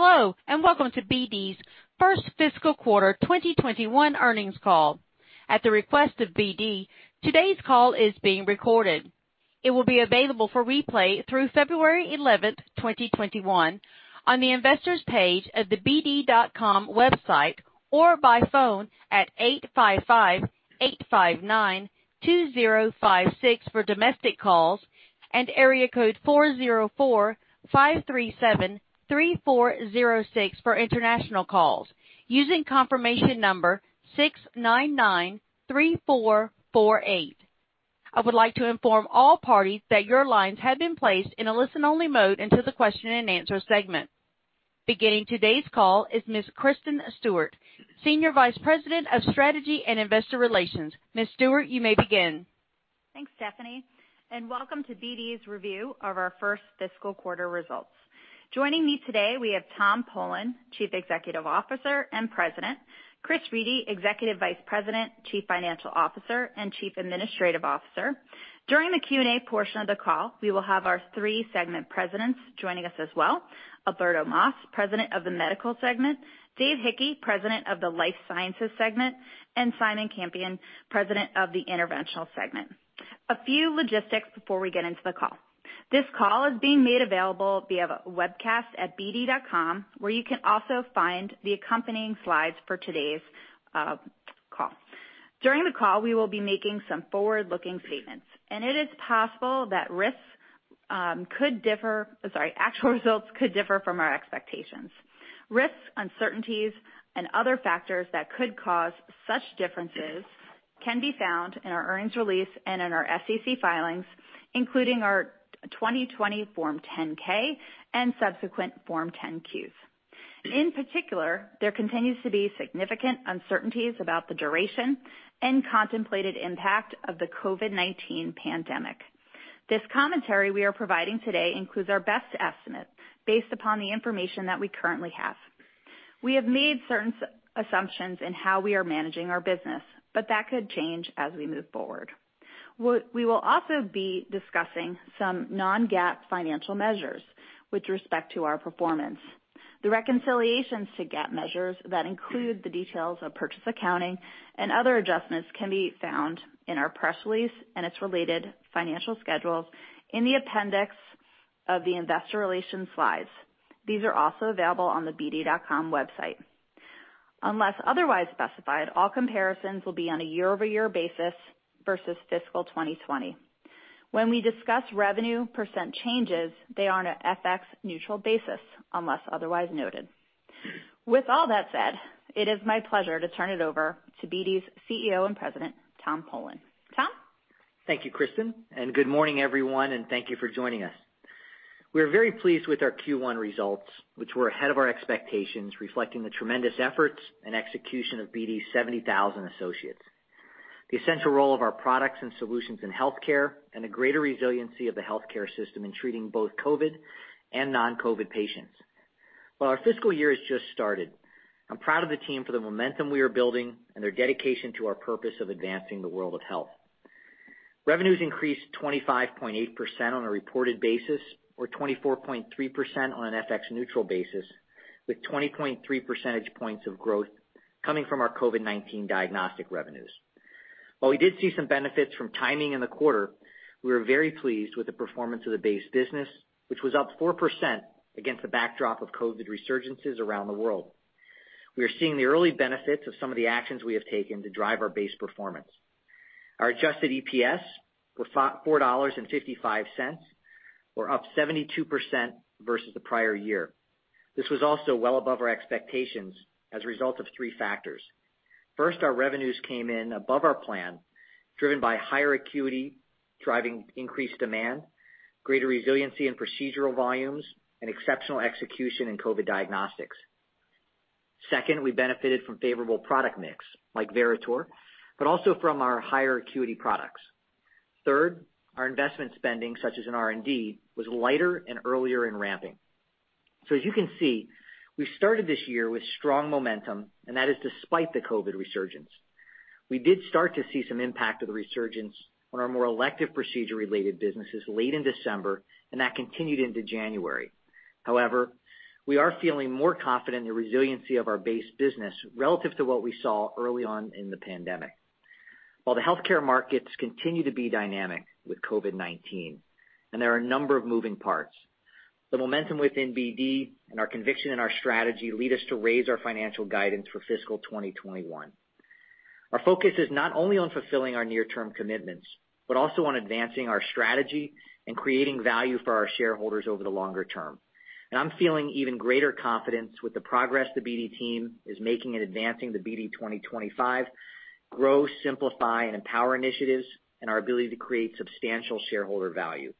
Hello, and welcome to BD's first fiscal quarter 2021 earnings call. At the request of BD, today's call is being recorded. It will be available for replay through February 11th, 2021 on the investors page of the bd.com website, or by phone at 855-859-2056 for domestic calls, and area code 404-537-3406 for international calls, using confirmation number 6993448. I would like to inform all parties that your lines have been placed in a listen-only mode until the question and answer segment. Beginning today's call is Miss Kristen Stewart, Senior Vice President of Strategy and Investor Relations. Miss Stewart, you may begin. Thanks, Stephanie, and welcome to BD's review of our first fiscal quarter results. Joining me today we have Tom Polen, Chief Executive Officer and President. Chris Reidy, Executive Vice President, Chief Financial Officer, and Chief Administrative Officer. During the Q&A portion of the call, we will have our three segment presidents joining us as well. Alberto Mas, President of the Medical Segment, Dave Hickey, President of the Life Sciences Segment, and Simon Campion, President of the Interventional Segment. A few logistics before we get into the call. This call is being made available via webcast at bd.com, where you can also find the accompanying slides for today's call. During the call, we will be making some forward-looking statements, and it is possible that actual results could differ from our expectations. Risks, uncertainties, and other factors that could cause such differences can be found in our earnings release and in our SEC filings, including our 2020 Form 10-K and subsequent Form 10-Qs. There continues to be significant uncertainties about the duration and contemplated impact of the COVID-19 pandemic. This commentary we are providing today includes our best estimate based upon the information that we currently have. We have made certain assumptions in how we are managing our business. That could change as we move forward. We will also be discussing some non-GAAP financial measures with respect to our performance. The reconciliations to GAAP measures that include the details of purchase accounting and other adjustments can be found in our press release and its related financial schedules in the appendix of the investor relations slides. These are also available on the bd.com website. Unless otherwise specified, all comparisons will be on a year-over-year basis versus fiscal 2020. When we discuss revenue % changes, they are on a FX neutral basis, unless otherwise noted. With all that said, it is my pleasure to turn it over to BD's CEO and President, Tom Polen. Tom? Thank you, Kristen. Good morning everyone, and thank you for joining us. We are very pleased with our Q1 results, which were ahead of our expectations, reflecting the tremendous efforts and execution of BD's 70,000 associates, the essential role of our products and solutions in healthcare, and the greater resiliency of the healthcare system in treating both COVID and non-COVID patients. While our fiscal year has just started, I'm proud of the team for the momentum we are building and their dedication to our purpose of advancing the world of health. Revenues increased 25.8% on a reported basis, or 24.3% on an FX neutral basis, with 20.3 percentage points of growth coming from our COVID-19 diagnostic revenues. While we did see some benefits from timing in the quarter, we were very pleased with the performance of the base business, which was up 4% against the backdrop of COVID resurgences around the world. We are seeing the early benefits of some of the actions we have taken to drive our base performance. Our adjusted EPS were $4.55, or up 72% versus the prior year. This was also well above our expectations as a result of three factors. First, our revenues came in above our plan, driven by higher acuity, driving increased demand, greater resiliency in procedural volumes, and exceptional execution in COVID diagnostics. Second, we benefited from favorable product mix like Veritor, but also from our higher acuity products. Third, our investment spending, such as in R&D, was lighter and earlier in ramping. As you can see, we started this year with strong momentum, and that is despite the COVID-19 resurgence. We did start to see some impact of the resurgence on our more elective procedure-related businesses late in December, and that continued into January. However, we are feeling more confident in the resiliency of our base business relative to what we saw early on in the pandemic. While the healthcare markets continue to be dynamic with COVID-19, and there are a number of moving parts, the momentum within BD and our conviction in our strategy lead us to raise our financial guidance for fiscal 2021. Our focus is not only on fulfilling our near-term commitments, but also on advancing our strategy and creating value for our shareholders over the longer term. I'm feeling even greater confidence with the progress the BD team is making in advancing the BD 2025 Grow, Simplify, and Empower initiatives and our ability to create substantial shareholder value.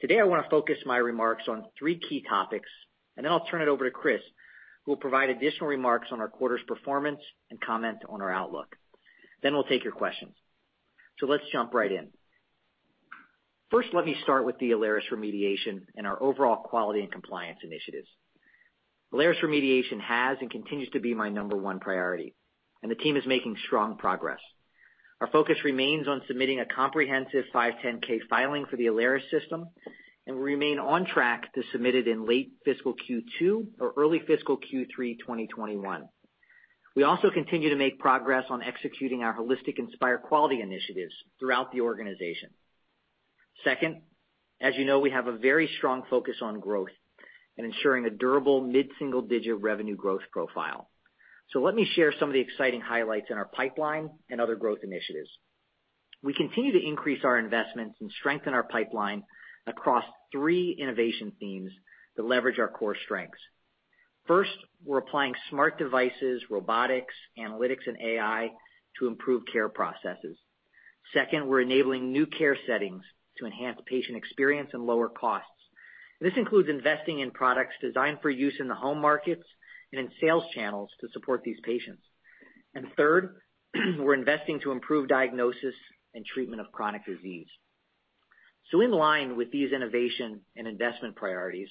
Today, I want to focus my remarks on three key topics, then I'll turn it over to Chris, who will provide additional remarks on our quarter's performance and comment on our outlook. We'll take your questions. Let's jump right in. First, let me start with the Alaris remediation and our overall quality and compliance initiatives. Alaris remediation has and continues to be my number one priority, and the team is making strong progress. Our focus remains on submitting a comprehensive 510(k) filing for the Alaris system, and we remain on track to submit it in late fiscal Q2 or early fiscal Q3 2021. We also continue to make progress on executing our holistic Inspire quality initiatives throughout the organization. Second, as you know, we have a very strong focus on growth and ensuring a durable mid-single-digit revenue growth profile. Let me share some of the exciting highlights in our pipeline and other growth initiatives. We continue to increase our investments and strengthen our pipeline across three innovation themes that leverage our core strengths. First, we're applying smart devices, robotics, analytics, and AI to improve care processes. Second, we're enabling new care settings to enhance patient experience and lower costs. This includes investing in products designed for use in the home markets and in sales channels to support these patients. Third, we're investing to improve diagnosis and treatment of chronic disease. In line with these innovation and investment priorities,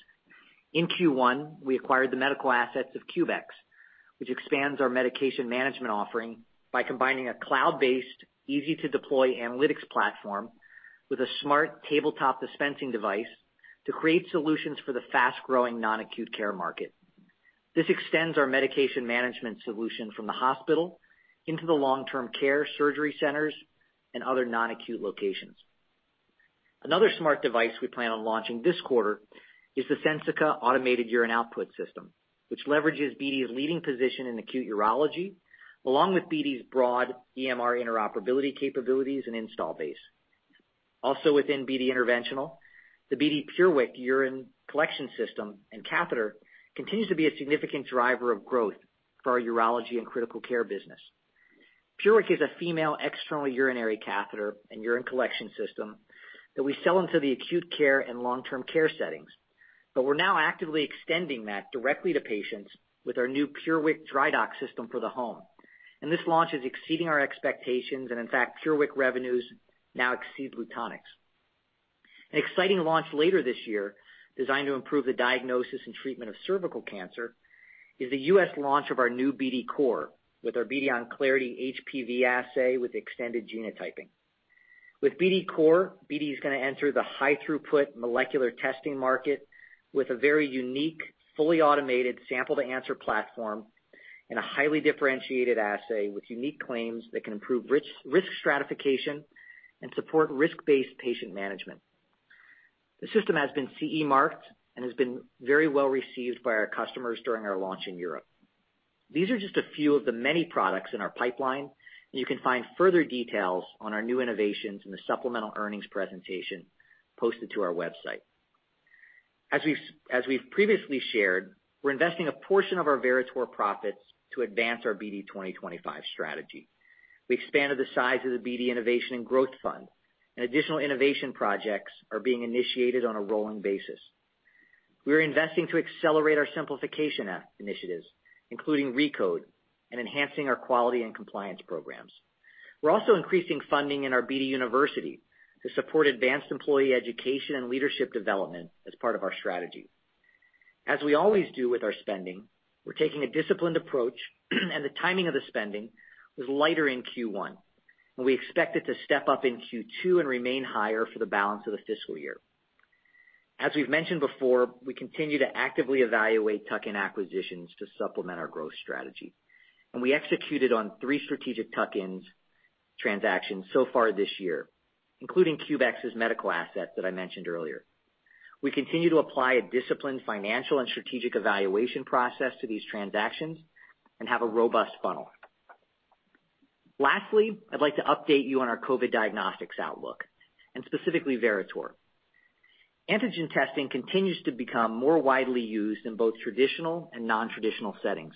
in Q1, we acquired the medical assets of CUBEX, which expands our medication management offering by combining a cloud-based, easy-to-deploy analytics platform with a smart tabletop dispensing device to create solutions for the fast-growing non-acute care market. This extends our medication management solution from the hospital into the long-term care surgery centers and other non-acute locations. Another smart device we plan on launching this quarter is the Sensica automated urine output system, which leverages BD's leading position in acute urology, along with BD's broad EMR interoperability capabilities and install base. Also within BD Interventional, the BD PureWick urine collection system and catheter continues to be a significant driver of growth for our urology and critical care business. PureWick is a female external urinary catheter and urine collection system that we sell into the acute care and long-term care settings. We're now actively extending that directly to patients with our new PureWick DryDoc system for the home. This launch is exceeding our expectations, and in fact, PureWick revenues now exceed Lutonix. An exciting launch later this year, designed to improve the diagnosis and treatment of cervical cancer, is the U.S. launch of our new BD COR with our BD Onclarity HPV assay with extended genotyping. With BD COR, BD's going to enter the high throughput molecular testing market with a very unique, fully automated sample-to-answer platform and a highly differentiated assay with unique claims that can improve risk stratification and support risk-based patient management. The system has been CE marked and has been very well received by our customers during our launch in Europe. These are just a few of the many products in our pipeline, and you can find further details on our new innovations in the supplemental earnings presentation posted to our website. As we've previously shared, we're investing a portion of our Veritor profits to advance our BD 2025 strategy. We expanded the size of the BD Innovation and Growth Fund, and additional innovation projects are being initiated on a rolling basis. We are investing to accelerate our simplification initiatives, including RECODE and enhancing our quality and compliance programs. We're also increasing funding in our BD University to support advanced employee education and leadership development as part of our strategy. As we always do with our spending, we're taking a disciplined approach, and the timing of the spending was lighter in Q1. We expect it to step up in Q2 and remain higher for the balance of the fiscal year. As we've mentioned before, we continue to actively evaluate tuck-in acquisitions to supplement our growth strategy. We executed on three strategic tuck-ins transactions so far this year, including CUBEX's medical assets that I mentioned earlier. We continue to apply a disciplined financial and strategic evaluation process to these transactions and have a robust funnel. Lastly, I'd like to update you on our COVID diagnostics outlook, and specifically Veritor. Antigen testing continues to become more widely used in both traditional and non-traditional settings.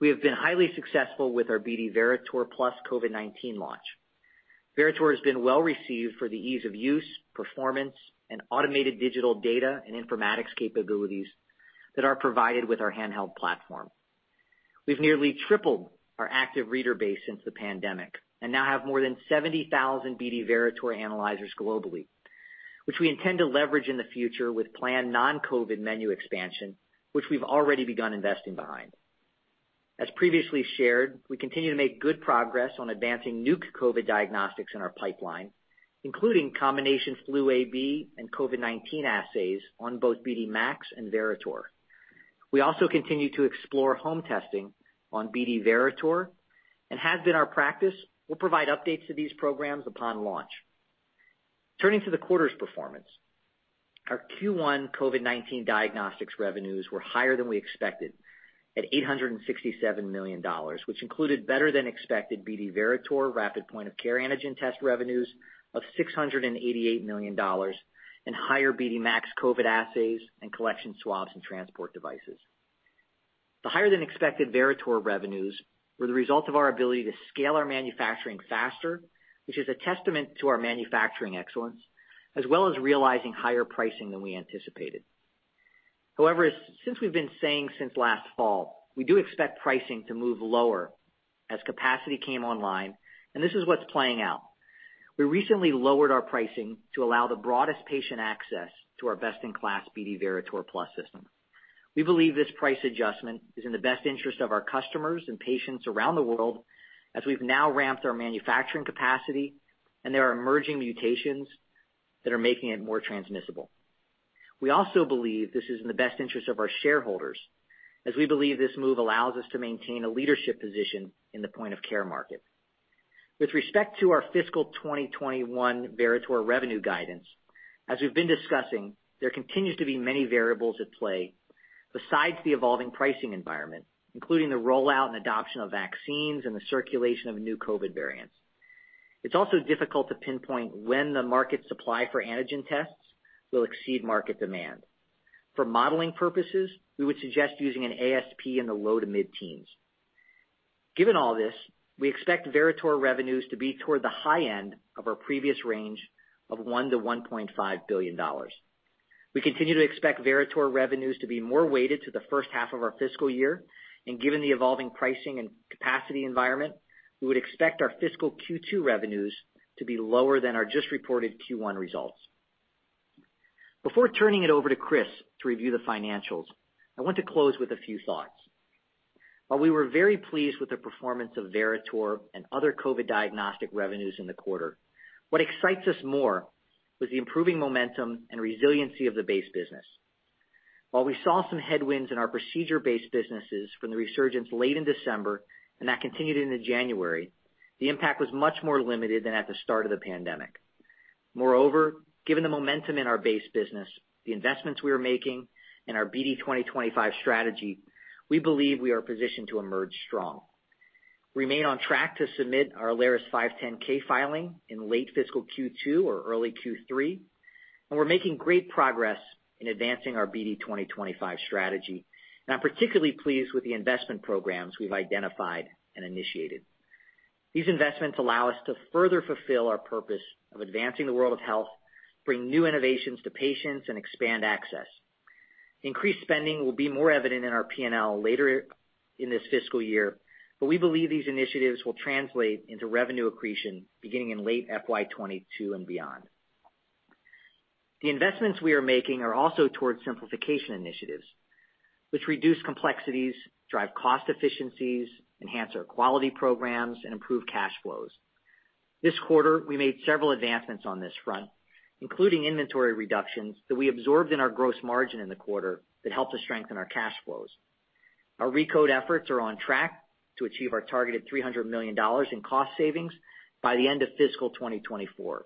We have been highly successful with our BD Veritor+ COVID-19 launch. Veritor has been well received for the ease of use, performance, and automated digital data and informatics capabilities that are provided with our handheld platform. We've nearly tripled our active reader base since the pandemic and now have more than 70,000 BD Veritor analyzers globally, which we intend to leverage in the future with planned non-COVID menu expansion, which we've already begun investing behind. As previously shared, we continue to make good progress on advancing new COVID diagnostics in our pipeline, including combination flu A/B and COVID-19 assays on both BD MAX and Veritor. As has been our practice, we'll provide updates to these programs upon launch. Turning to the quarter's performance. Our Q1 COVID-19 diagnostics revenues were higher than we expected at $867 million, which included better-than-expected BD Veritor rapid point-of-care antigen test revenues of $688 million and higher BD MAX COVID assays and collection swabs and transport devices. The higher-than-expected Veritor revenues were the result of our ability to scale our manufacturing faster, which is a testament to our manufacturing excellence, as well as realizing higher pricing than we anticipated. However, since we've been saying since last fall, we do expect pricing to move lower as capacity came online, and this is what's playing out. We recently lowered our pricing to allow the broadest patient access to our best-in-class BD Veritor+ system. We believe this price adjustment is in the best interest of our customers and patients around the world, as we've now ramped our manufacturing capacity, and there are emerging mutations that are making it more transmissible. We also believe this is in the best interest of our shareholders, as we believe this move allows us to maintain a leadership position in the point of care market. With respect to our fiscal 2021 BD Veritor revenue guidance, as we've been discussing, there continues to be many variables at play besides the evolving pricing environment, including the rollout and adoption of vaccines and the circulation of new COVID-19 variants. It's also difficult to pinpoint when the market supply for antigen tests will exceed market demand. For modeling purposes, we would suggest using an ASP in the low to mid-teens. Given all this, we expect BD Veritor revenues to be toward the high end of our previous range of $1 billion-$1.5 billion. We continue to expect BD Veritor revenues to be more weighted to the first half of our fiscal year, and given the evolving pricing and capacity environment, we would expect our fiscal Q2 revenues to be lower than our just reported Q1 results. Before turning it over to Chris to review the financials, I want to close with a few thoughts. While we were very pleased with the performance of Veritor and other COVID diagnostic revenues in the quarter, what excites us more was the improving momentum and resiliency of the base business. While we saw some headwinds in our procedure-based businesses from the resurgence late in December and that continued into January, the impact was much more limited than at the start of the pandemic. Given the momentum in our base business, the investments we are making, and our BD 2025 strategy, we believe we are positioned to emerge strong. We remain on track to submit our Alaris 510(k) filing in late fiscal Q2 or early Q3, and we're making great progress in advancing our BD 2025 strategy, and I'm particularly pleased with the investment programs we've identified and initiated. These investments allow us to further fulfill our purpose of advancing the world of health, bring new innovations to patients, and expand access. Increased spending will be more evident in our P&L later in this fiscal year, but we believe these initiatives will translate into revenue accretion beginning in late FY 2022 and beyond. The investments we are making are also towards simplification initiatives, which reduce complexities, drive cost efficiencies, enhance our quality programs, and improve cash flows. This quarter, we made several advancements on this front, including inventory reductions that we absorbed in our gross margin in the quarter that helped us strengthen our cash flows. Our RECODE efforts are on track to achieve our targeted $300 million in cost savings by the end of fiscal 2024.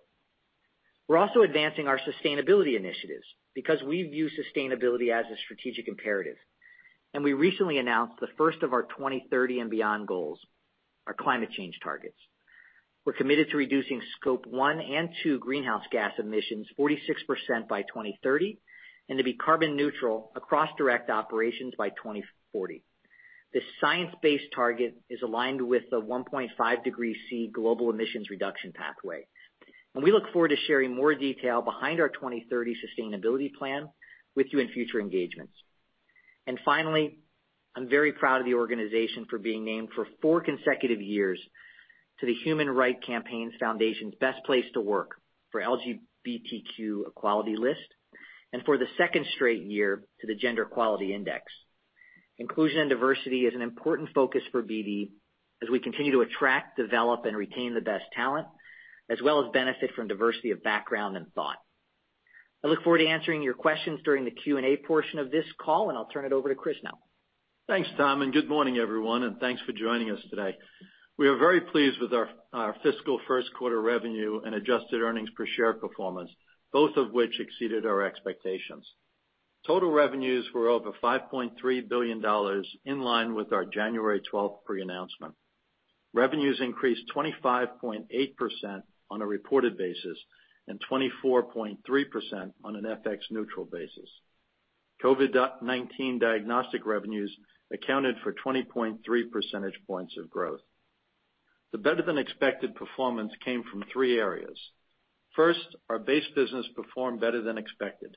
We're also advancing our sustainability initiatives because we view sustainability as a strategic imperative, and we recently announced the first of our 2030 and beyond goals, our climate change targets. We're committed to reducing Scope 1 and 2 greenhouse gas emissions 46% by 2030, and to be carbon neutral across direct operations by 2040. This science-based target is aligned with the 1.5 degree C global emissions reduction pathway. We look forward to sharing more detail behind our 2030 sustainability plan with you in future engagements. Finally, I'm very proud of the organization for being named for four consecutive years to the Human Rights Campaign Foundation's Best Place to Work for LGBTQ equality list, and for the second straight year to the Gender Equality Index. Inclusion and diversity is an important focus for BD as we continue to attract, develop, and retain the best talent, as well as benefit from diversity of background and thought. I look forward to answering your questions during the Q&A portion of this call, I'll turn it over to Chris now. Thanks, Tom. Good morning, everyone, and thanks for joining us today. We are very pleased with our fiscal first quarter revenue and adjusted earnings per share performance, both of which exceeded our expectations. Total revenues were over $5.3 billion, in line with our January 12th pre-announcement. Revenues increased 25.8% on a reported basis and 24.3% on an FX neutral basis. COVID-19 diagnostic revenues accounted for 20.3 percentage points of growth. The better-than-expected performance came from three areas. First, our base business performed better than expected.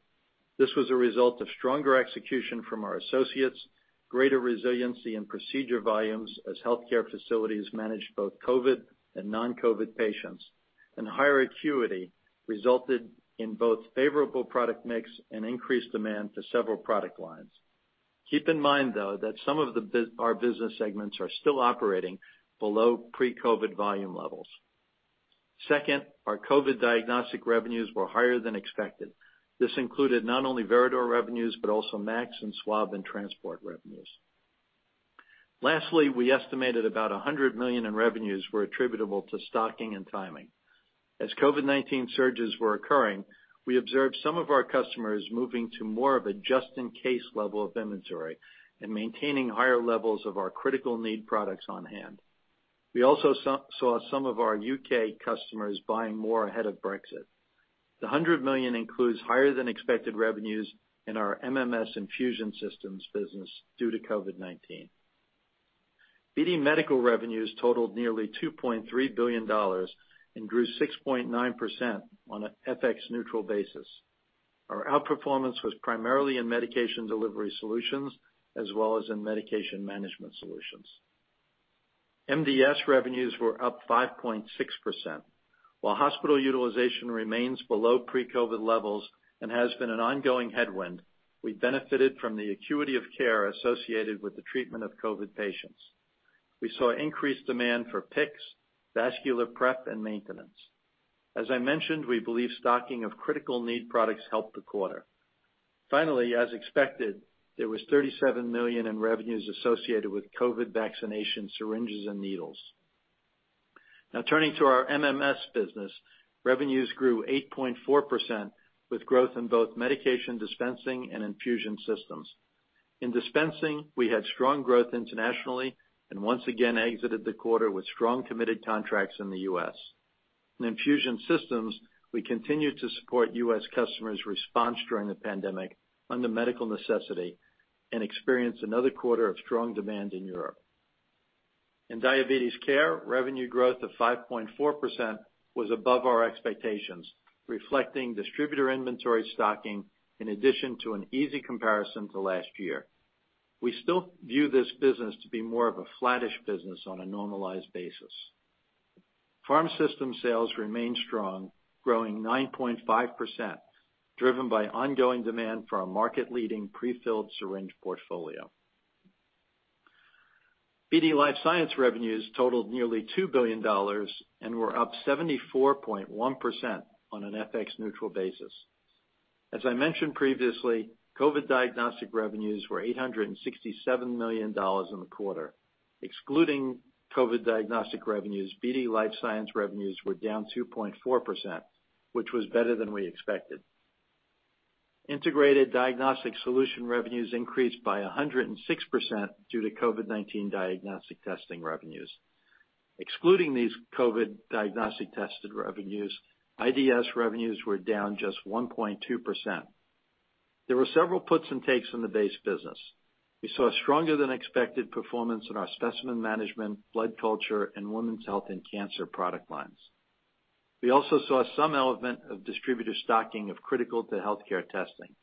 This was a result of stronger execution from our associates, greater resiliency in procedure volumes as healthcare facilities managed both COVID and non-COVID patients, and higher acuity resulted in both favorable product mix and increased demand for several product lines. Keep in mind, though, that some of our business segments are still operating below pre-COVID volume levels. Second, our COVID diagnostic revenues were higher than expected. This included not only Veritor revenues, but also Max and swab and transport revenues. Lastly, we estimated about $100 million in revenues were attributable to stocking and timing. As COVID-19 surges were occurring, we observed some of our customers moving to more of a just-in-case level of inventory and maintaining higher levels of our critical need products on hand. We also saw some of our U.K. customers buying more ahead of Brexit. The $100 million includes higher-than-expected revenues in our MMS and Infusion systems business due to COVID-19. BD Medical revenues totaled nearly $2.3 billion and grew 6.9% on an FX neutral basis. Our outperformance was primarily in medication delivery solutions as well as in medication management solutions. MDS revenues were up 5.6%. While hospital utilization remains below pre-COVID levels and has been an ongoing headwind, we benefited from the acuity of care associated with the treatment of COVID patients. We saw increased demand for PICCs, vascular prep, and maintenance. As I mentioned, we believe stocking of critical need products helped the quarter. As expected, there was $37 million in revenues associated with COVID vaccination syringes and needles. Turning to our MMS business, revenues grew 8.4% with growth in both medication dispensing and infusion systems. In dispensing, we had strong growth internationally and once again exited the quarter with strong committed contracts in the U.S. In infusion systems, we continued to support U.S. customers' response during the pandemic under medical necessity and experienced another quarter of strong demand in Europe. In diabetes care, revenue growth of 5.4% was above our expectations, reflecting distributor inventory stocking in addition to an easy comparison to last year. We still view this business to be more of a flattish business on a normalized basis. Pharmaceutical Systems sales remain strong, growing 9.5%, driven by ongoing demand for our market-leading prefilled syringe portfolio. BD Life Sciences revenues totaled nearly $2 billion and were up 74.1% on an FX neutral basis. As I mentioned previously, COVID diagnostic revenues were $867 million in the quarter. Excluding COVID diagnostic revenues, BD Life Sciences revenues were down 2.4%, which was better than we expected. Integrated Diagnostic Solutions revenues increased by 106% due to COVID-19 diagnostic testing revenues. Excluding these COVID diagnostic tested revenues, IDS revenues were down just 1.2%. There were several puts and takes in the base business. We saw stronger than expected performance in our specimen management, blood culture, and women's health and cancer product lines. We also saw some element of distributor stocking of critical to healthcare testing.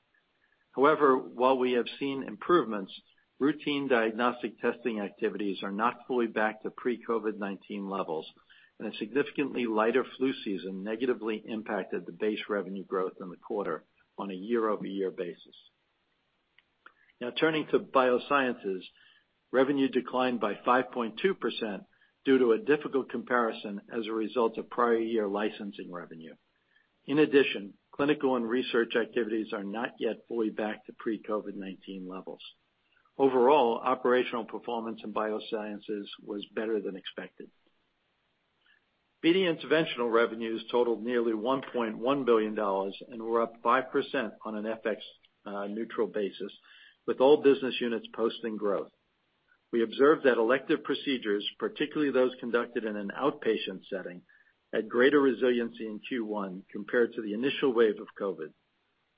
While we have seen improvements, routine diagnostic testing activities are not fully back to pre-COVID-19 levels, and a significantly lighter flu season negatively impacted the base revenue growth in the quarter on a year-over-year basis. Turning to Biosciences, revenue declined by 5.2% due to a difficult comparison as a result of prior year licensing revenue. In addition, clinical and research activities are not yet fully back to pre-COVID-19 levels. Overall, operational performance in Biosciences was better than expected. BD Interventional revenues totaled nearly $1.1 billion and were up 5% on an FX neutral basis, with all business units posting growth. We observed that elective procedures, particularly those conducted in an outpatient setting, had greater resiliency in Q1 compared to the initial wave of COVID.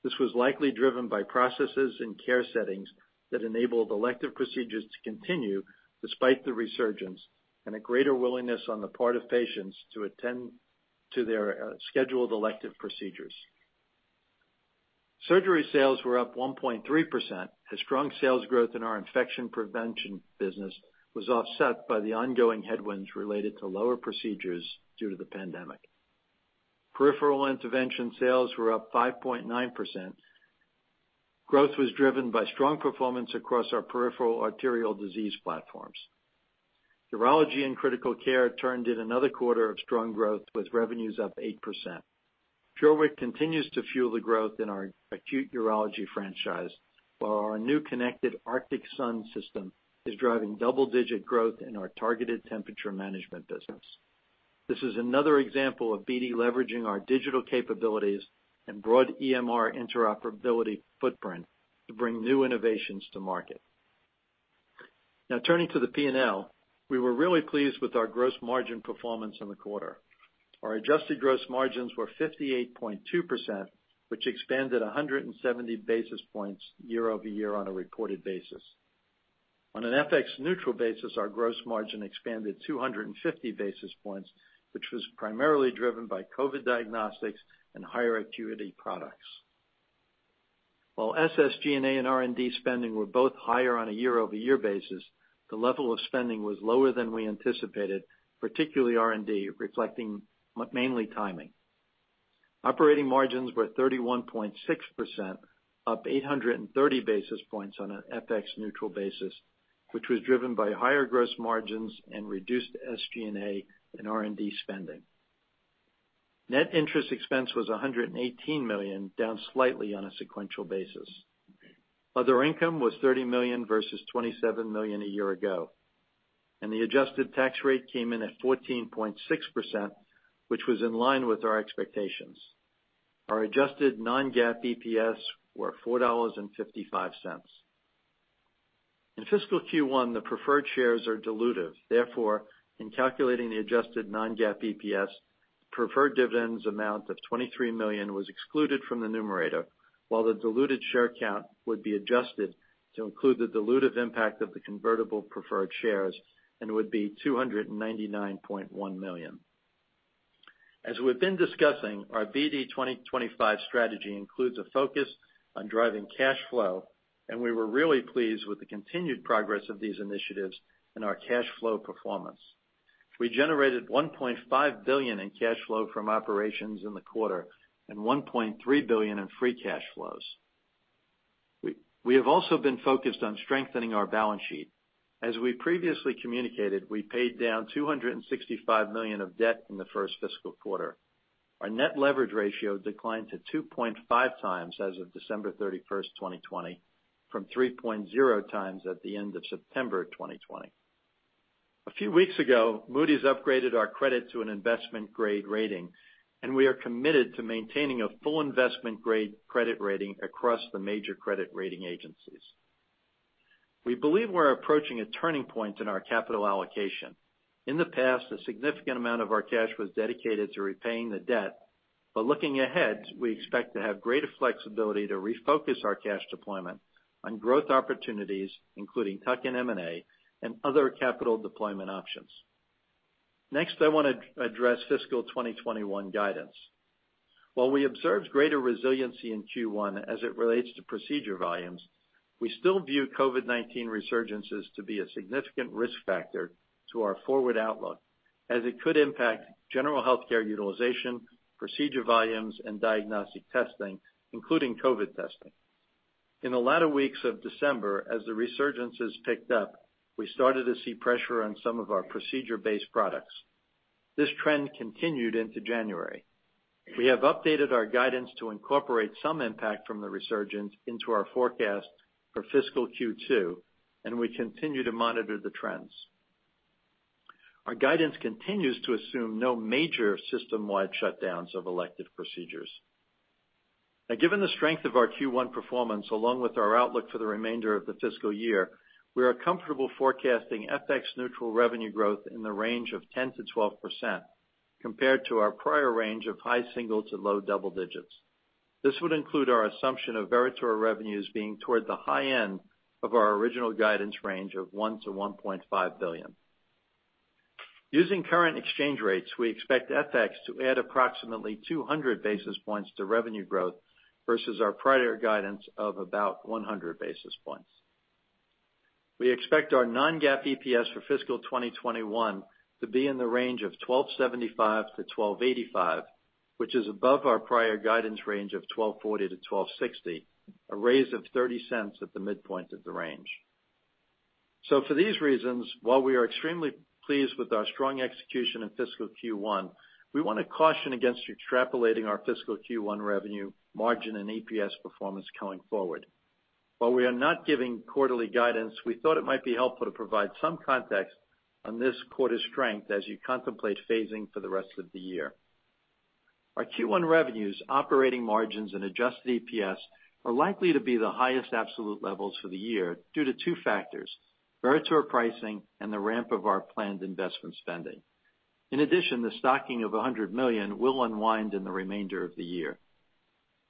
This was likely driven by processes and care settings that enabled elective procedures to continue despite the resurgence and a greater willingness on the part of patients to attend to their scheduled elective procedures. Surgery sales were up 1.3% as strong sales growth in our infection prevention business was offset by the ongoing headwinds related to lower procedures due to the pandemic. Peripheral intervention sales were up 5.9%. Growth was driven by strong performance across our peripheral arterial disease platforms. Urology and critical care turned in another quarter of strong growth with revenues up 8%. PureWick continues to fuel the growth in our acute urology franchise, while our new connected Arctic Sun system is driving double-digit growth in our targeted temperature management business. This is another example of BD leveraging our digital capabilities and broad EMR interoperability footprint to bring new innovations to market. Now turning to the P&L, we were really pleased with our gross margin performance in the quarter. Our adjusted gross margins were 58.2%, which expanded 170 basis points year-over-year on a reported basis. On an FX neutral basis, our gross margin expanded 250 basis points, which was primarily driven by COVID diagnostics and higher acuity products. While SG&A and R&D spending were both higher on a year-over-year basis, the level of spending was lower than we anticipated, particularly R&D, reflecting mainly timing. Operating margins were 31.6%, up 830 basis points on an FX neutral basis, which was driven by higher gross margins and reduced SG&A and R&D spending. Net interest expense was $118 million, down slightly on a sequential basis. Other income was $30 million versus $27 million a year ago. The adjusted tax rate came in at 14.6%, which was in line with our expectations. Our adjusted non-GAAP EPS were $4.55. In fiscal Q1, the preferred shares are dilutive. Therefore, in calculating the adjusted non-GAAP EPS, preferred dividends amount of $23 million was excluded from the numerator, while the diluted share count would be adjusted to include the dilutive impact of the convertible preferred shares and would be 299.1 million. As we've been discussing, our BD 2025 strategy includes a focus on driving cash flow, and we were really pleased with the continued progress of these initiatives and our cash flow performance. We generated $1.5 billion in cash flow from operations in the quarter and $1.3 billion in free cash flows. We have also been focused on strengthening our balance sheet. As we previously communicated, we paid down $265 million of debt in the first fiscal quarter. Our net leverage ratio declined to 2.5x as of December 31st, 2020, from 3.0x at the end of September 2020. A few weeks ago, Moody's upgraded our credit to an investment-grade rating. We are committed to maintaining a full investment-grade credit rating across the major credit rating agencies. We believe we're approaching a turning point in our capital allocation. In the past, a significant amount of our cash was dedicated to repaying the debt. Looking ahead, we expect to have greater flexibility to refocus our cash deployment on growth opportunities, including tuck-in M&A and other capital deployment options. Next, I want to address fiscal 2021 guidance. While we observed greater resiliency in Q1 as it relates to procedure volumes, we still view COVID-19 resurgences to be a significant risk factor to our forward outlook, as it could impact general healthcare utilization, procedure volumes, and diagnostic testing, including COVID testing. In the latter weeks of December, as the resurgences picked up, we started to see pressure on some of our procedure-based products. This trend continued into January. We have updated our guidance to incorporate some impact from the resurgence into our forecast for fiscal Q2, and we continue to monitor the trends. Our guidance continues to assume no major system-wide shutdowns of elective procedures. Given the strength of our Q1 performance, along with our outlook for the remainder of the fiscal year, we are comfortable forecasting FX-neutral revenue growth in the range of 10%-12%, compared to our prior range of high single to low double digits. This would include our assumption of Veritor revenues being toward the high end of our original guidance range of $1 billion-$1.5 billion. Using current exchange rates, we expect FX to add approximately 200 basis points to revenue growth versus our prior guidance of about 100 basis points. We expect our non-GAAP EPS for fiscal 2021 to be in the range of $12.75-$12.85, which is above our prior guidance range of $12.40-$12.60, a raise of $0.30 at the midpoint of the range. For these reasons, while we are extremely pleased with our strong execution in fiscal Q1, we want to caution against extrapolating our fiscal Q1 revenue, margin, and EPS performance coming forward. While we are not giving quarterly guidance, we thought it might be helpful to provide some context on this quarter's strength as you contemplate phasing for the rest of the year. Our Q1 revenues, operating margins, and adjusted EPS are likely to be the highest absolute levels for the year due to two factors: Veritor pricing and the ramp of our planned investment spending. In addition, the stocking of $100 million will unwind in the remainder of the year.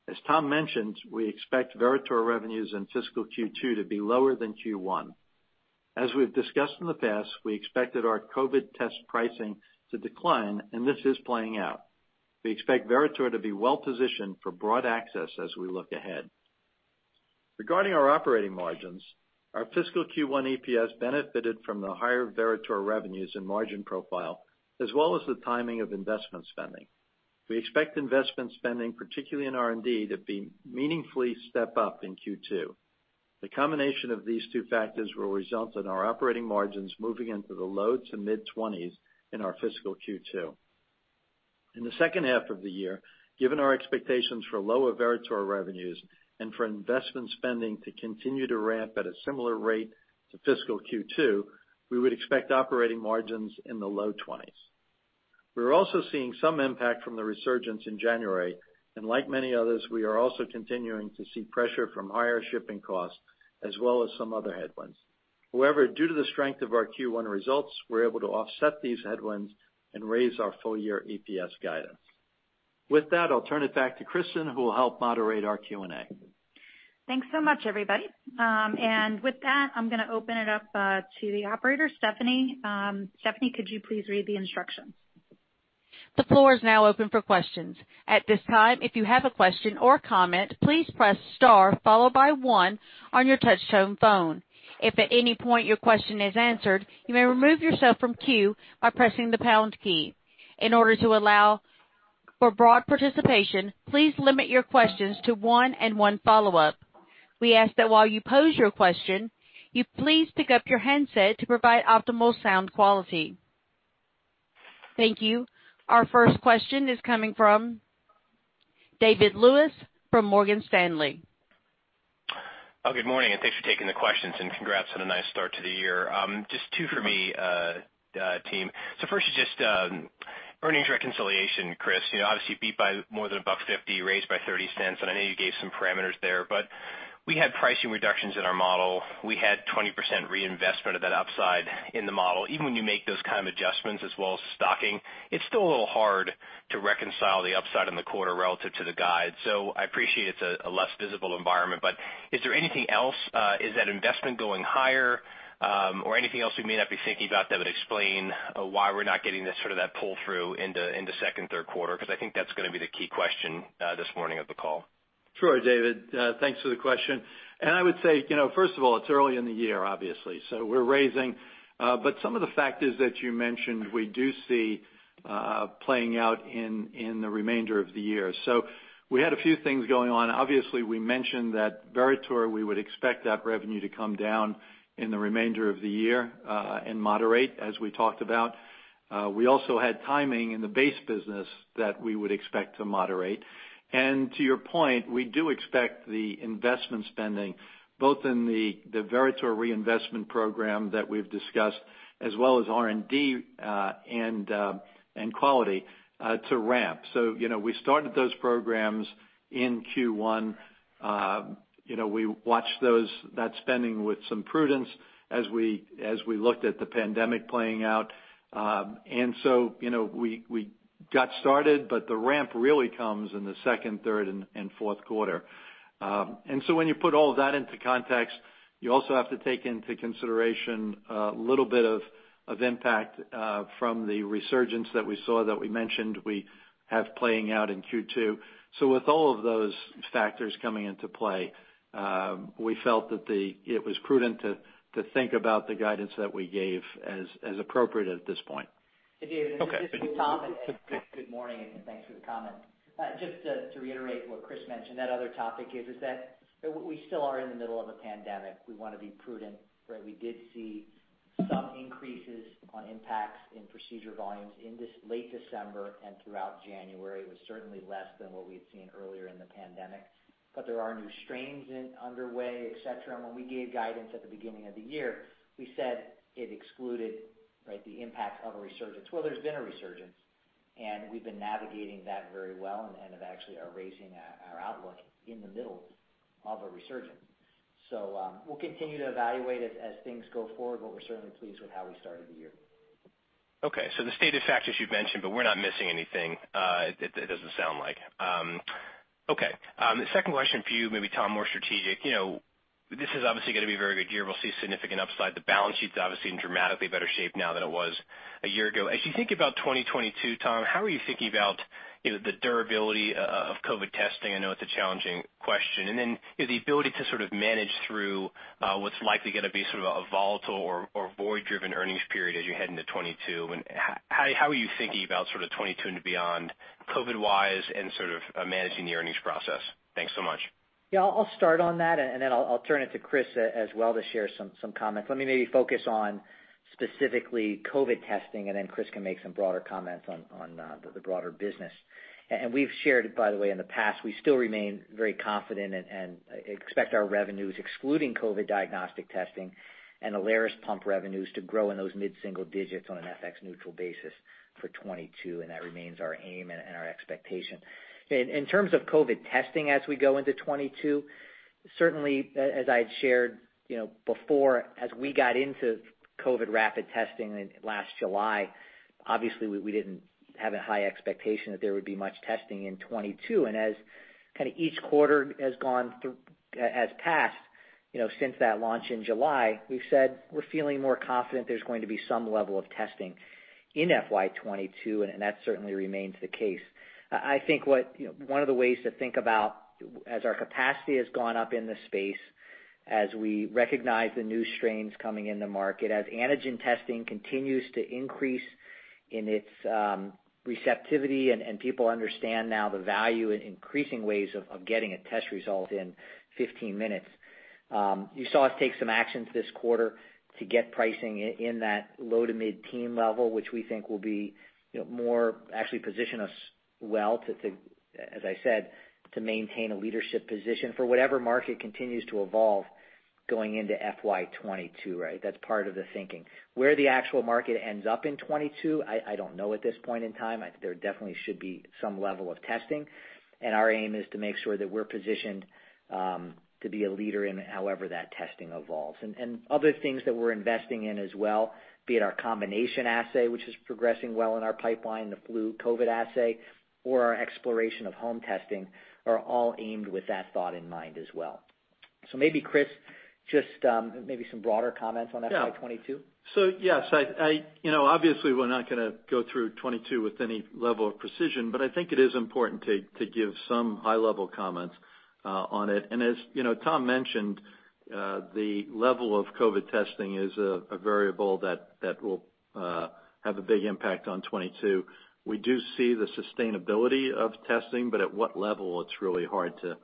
As Tom mentioned, we expect Veritor revenues in fiscal Q2 to be lower than Q1. As we've discussed in the past, we expected our COVID test pricing to decline, and this is playing out. We expect BD Veritor to be well-positioned for broad access as we look ahead. Regarding our operating margins, our fiscal Q1 EPS benefited from the higher BD Veritor revenues and margin profile, as well as the timing of investment spending. We expect investment spending, particularly in R&D, to be meaningfully step-up in Q2. The combination of these two factors will result in our operating margins moving into the low to mid-20s in our fiscal Q2. In the second half of the year, given our expectations for lower BD Veritor revenues and for investment spending to continue to ramp at a similar rate to fiscal Q2, we would expect operating margins in the low 20s. We're also seeing some impact from the resurgence in January, and like many others, we are also continuing to see pressure from higher shipping costs as well as some other headwinds. However, due to the strength of our Q1 results, we're able to offset these headwinds and raise our full-year EPS guidance. With that, I'll turn it back to Kristen, who will help moderate our Q&A. Thanks so much, everybody. With that, I'm going to open it up to the operator, Stephanie. Stephanie, could you please read the instructions? The floor is now open for questions. In order to allow for broad participation, please limit your questions to one and one follow-up. We ask that while you pose your question, you please pick up your handset to provide optimal sound quality. Thank you. Our first question is coming from David Lewis from Morgan Stanley. Good morning, and thanks for taking the questions, and congrats on a nice start to the year. Just two for me, team. First is just earnings reconciliation, Chris. Obviously, you beat by more than $1.50, raised by $0.30, and I know you gave some parameters there, but we had pricing reductions in our model. We had 20% reinvestment of that upside in the model. Even when you make those kind of adjustments as well as stocking, it's still a little hard to reconcile the upside in the quarter relative to the guide. I appreciate it's a less visible environment, but is there anything else? Is that investment going higher? Anything else we may not be thinking about that would explain why we're not getting this sort of that pull-through into second, third quarter? I think that's going to be the key question this morning of the call. Sure, David, thanks for the question. I would say, first of all, it's early in the year, obviously. We're raising. Some of the factors that you mentioned, we do see playing out in the remainder of the year. We had a few things going on. Obviously, we mentioned that Veritor, we would expect that revenue to come down in the remainder of the year and moderate, as we talked about. We also had timing in the base business that we would expect to moderate. To your point, we do expect the investment spending, both in the Veritor reinvestment program that we've discussed, as well as R&D and quality to ramp. We started those programs in Q1. We watched that spending with some prudence as we looked at the pandemic playing out. We got started, but the ramp really comes in the second, third, and fourth quarter. When you put all of that into context, you also have to take into consideration a little bit of impact from the resurgence that we saw, that we mentioned we have playing out in Q2. With all of those factors coming into play, we felt that it was prudent to think about the guidance that we gave as appropriate at this point. Hey, David. Okay. This is Tom. Good morning, and thanks for the comment. Just to reiterate what Chris mentioned, that other topic is that we still are in the middle of a pandemic. We want to be prudent. We did see some increases on impacts in procedure volumes in late December and throughout January. It was certainly less than what we had seen earlier in the pandemic. There are new strains underway, et cetera. When we gave guidance at the beginning of the year, we said it excluded the impact of a resurgence. Well, there's been a resurgence, and we've been navigating that very well and actually are raising our outlook in the middle of a resurgence. We'll continue to evaluate it as things go forward, but we're certainly pleased with how we started the year. The stated factors you've mentioned, but we're not missing anything, it doesn't sound like. Okay. The second question for you, maybe Tom, more strategic. This is obviously going to be a very good year. We'll see significant upside. The balance sheet's obviously in dramatically better shape now than it was a year ago. As you think about 2022, Tom, how are you thinking about the durability of COVID testing? I know it's a challenging question. The ability to sort of manage through what's likely going to be sort of a volatile or void driven earnings period as you head into 2022. How are you thinking about sort of 2022 and beyond COVID-wise and sort of managing the earnings process? Thanks so much. Yeah, I'll start on that, and then I'll turn it to Chris as well to share some comments. Let me maybe focus on specifically COVID testing, and then Chris can make some broader comments on the broader business. And we've shared, by the way, in the past, we still remain very confident and expect our revenues, excluding COVID diagnostic testing and Alaris pump revenues to grow in those mid-single digits on an FX neutral basis for 2022, and that remains our aim and our expectation. In terms of COVID testing as we go into 2022, certainly, as I had shared before, as we got into COVID rapid testing last July, obviously we didn't have a high expectation that there would be much testing in 2022. As each quarter has passed since that launch in July, we've said we're feeling more confident there's going to be some level of testing in FY 2022, and that certainly remains the case. I think one of the ways to think about as our capacity has gone up in this space, as we recognize the new strains coming in the market, as antigen testing continues to increase in its receptivity and people understand now the value in increasing ways of getting a test result in 15 minutes. You saw us take some actions this quarter to get pricing in that low to mid-teen level, which we think will more actually position us well, as I said, to maintain a leadership position for whatever market continues to evolve going into FY 2022, right? That's part of the thinking. Where the actual market ends up in 2022, I don't know at this point in time. There definitely should be some level of testing, and our aim is to make sure that we're positioned to be a leader in however that testing evolves. Other things that we're investing in as well, be it our combination assay, which is progressing well in our pipeline, the flu COVID assay, or our exploration of home testing, are all aimed with that thought in mind as well. Maybe Chris, just maybe some broader comments on FY 2022. Yes. Obviously, we're not going to go through 2022 with any level of precision, but I think it is important to give some high-level comments on it. As Tom mentioned, the level of COVID testing is a variable that will have a big impact on 2022. We do see the sustainability of testing, but at what level, it's really hard to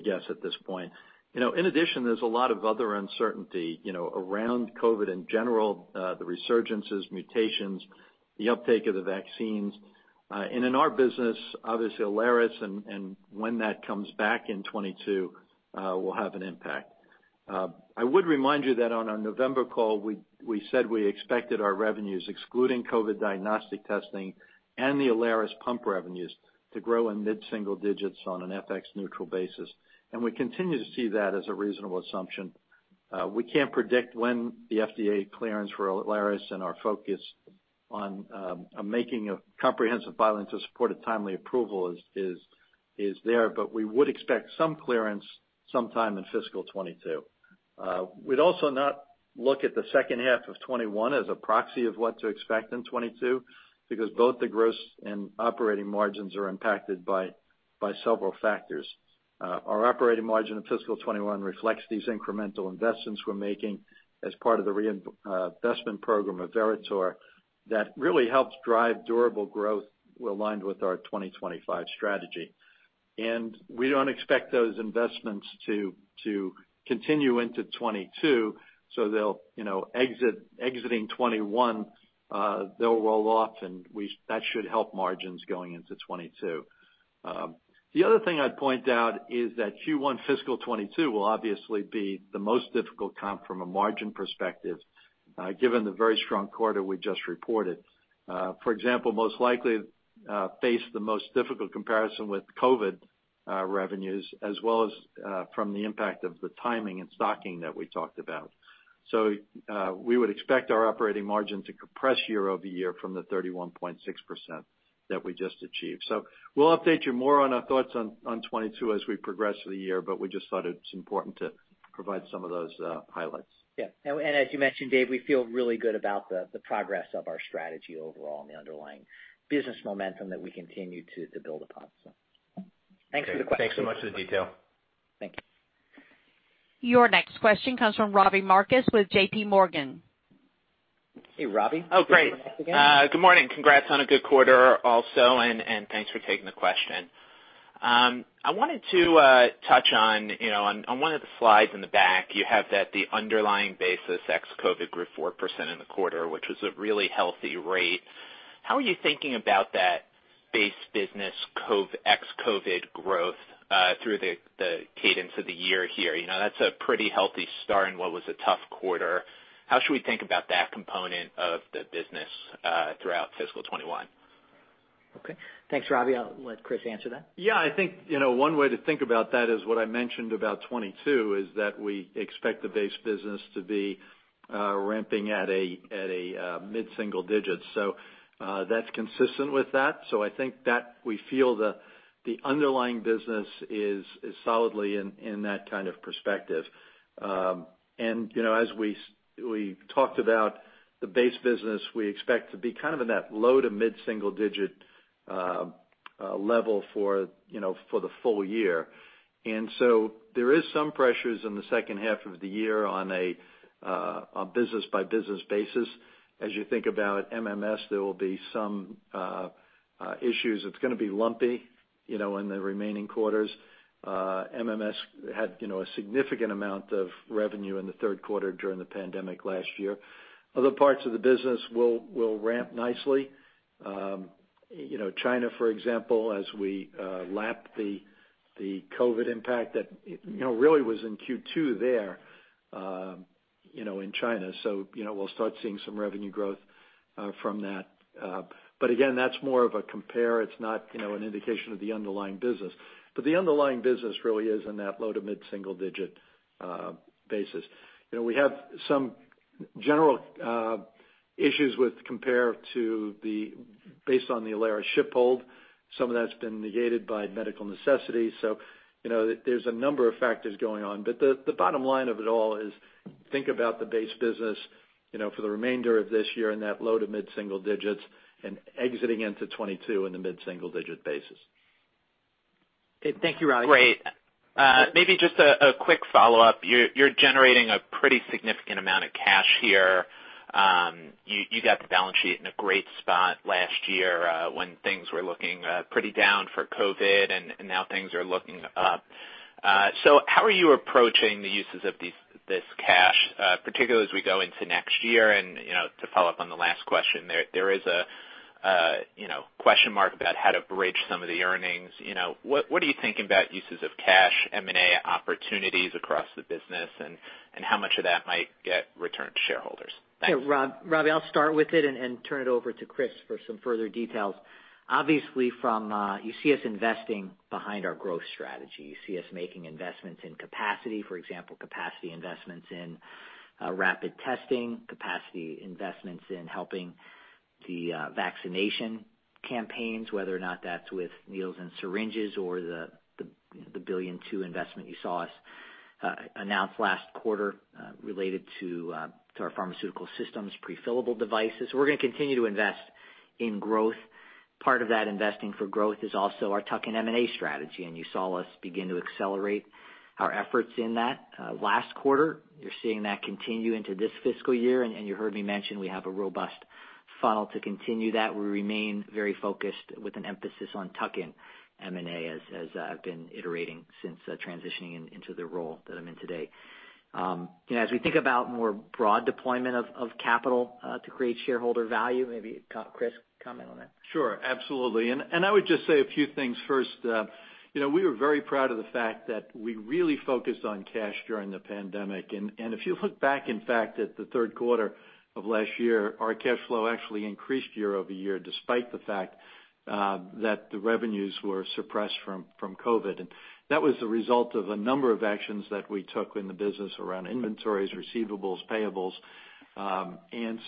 guess at this point. In addition, there's a lot of other uncertainty around COVID in general, the resurgences, mutations, the uptake of the vaccines. In our business, obviously Alaris and when that comes back in 2022 will have an impact. I would remind you that on our November call, we said we expected our revenues, excluding COVID diagnostic testing and the Alaris pump revenues to grow in mid-single digits on an FX neutral basis. We continue to see that as a reasonable assumption. We can't predict when the FDA clearance for Alaris and our focus on making a comprehensive filing to support a timely approval is there, but we would expect some clearance sometime in fiscal 2022. We'd also not look at the second half of 2021 as a proxy of what to expect in 2022, because both the gross and operating margins are impacted by several factors. Our operating margin in fiscal 2021 reflects these incremental investments we're making as part of the reinvestment program of Veritor that really helps drive durable growth aligned with our BD 2025 strategy. We don't expect those investments to continue into 2022. Exiting 2021, they'll roll off, and that should help margins going into 2022. The other thing I'd point out is that Q1 fiscal 2022 will obviously be the most difficult comp from a margin perspective, given the very strong quarter we just reported. For example, most likely face the most difficult comparison with COVID revenues, as well as from the impact of the timing and stocking that we talked about. We would expect our operating margin to compress year-over-year from the 31.6% that we just achieved. We'll update you more on our thoughts on 2022 as we progress through the year, but we just thought it's important to provide some of those highlights. Yeah. As you mentioned, Dave, we feel really good about the progress of our strategy overall and the underlying business momentum that we continue to build upon. Thanks for the question. Thanks so much for the detail. Thank you. Your next question comes from Robbie Marcus with JPMorgan. Hey, Robbie. Oh, great. Welcome back again. Good morning. Congrats on a good quarter also. Thanks for taking the question. I wanted to touch on one of the slides in the back, you have that the underlying basis ex-COVID grew 4% in the quarter, which was a really healthy rate. How are you thinking about that base business ex-COVID growth through the cadence of the year here? That's a pretty healthy start in what was a tough quarter. How should we think about that component of the business throughout fiscal 2021? Okay. Thanks, Robbie. I'll let Chris answer that. Yeah, I think one way to think about that is what I mentioned about 2022, is that we expect the base business to be ramping at a mid-single digits. That's consistent with that. I think that we feel the underlying business is solidly in that kind of perspective. As we talked about the base business, we expect to be kind of in that low to mid-single digit level for the full year. There is some pressures in the second half of the year on a business by business basis. As you think about MMS, there will be some issues. It's going to be lumpy in the remaining quarters. MMS had a significant amount of revenue in the third quarter during the pandemic last year. Other parts of the business will ramp nicely. China, for example, as we lap the COVID impact that really was in Q2 there in China. We'll start seeing some revenue growth from that. Again, that's more of a compare. It's not an indication of the underlying business. The underlying business really is in that low to mid-single digit basis. We have some general issues with compare to based on the Alaris ship hold. Some of that's been negated by medical necessity. There's a number of factors going on. The bottom line of it all is think about the base business for the remainder of this year in that low to mid-single digits and exiting into 2022 in the mid-single digit basis. Okay. Thank you, Reidy. Great. Maybe just a quick follow-up. You're generating a pretty significant amount of cash here. You got the balance sheet in a great spot last year when things were looking pretty down for COVID, and now things are looking up. How are you approaching the uses of this cash, particularly as we go into next year? To follow up on the last question, there is a question mark about how to bridge some of the earnings. What are you thinking about uses of cash M&A opportunities across the business and how much of that might get returned to shareholders? Thanks. Yeah, Robbie, I'll start with it and turn it over to Chris for some further details. You see us investing behind our growth strategy. You see us making investments in capacity. For example, capacity investments in rapid testing, capacity investments in helping the vaccination campaigns, whether or not that's with needles and syringes or the $1.2 billion investment you saw us announce last quarter related to our Pharmaceutical Systems pre-fillable devices. We're going to continue to invest in growth. Part of that investing for growth is also our tuck-in M&A strategy. You saw us begin to accelerate our efforts in that last quarter. You're seeing that continue into this fiscal year. You heard me mention we have a robust funnel to continue that. We remain very focused with an emphasis on tuck-in M&A, as I've been iterating since transitioning into the role that I'm in today. As we think about more broad deployment of capital to create shareholder value, maybe Chris, comment on that. Sure, absolutely. I would just say a few things first. We were very proud of the fact that we really focused on cash during the pandemic. If you look back, in fact, at the third quarter of last year, our cash flow actually increased year-over-year, despite the fact that the revenues were suppressed from COVID. That was the result of a number of actions that we took in the business around inventories, receivables, payables.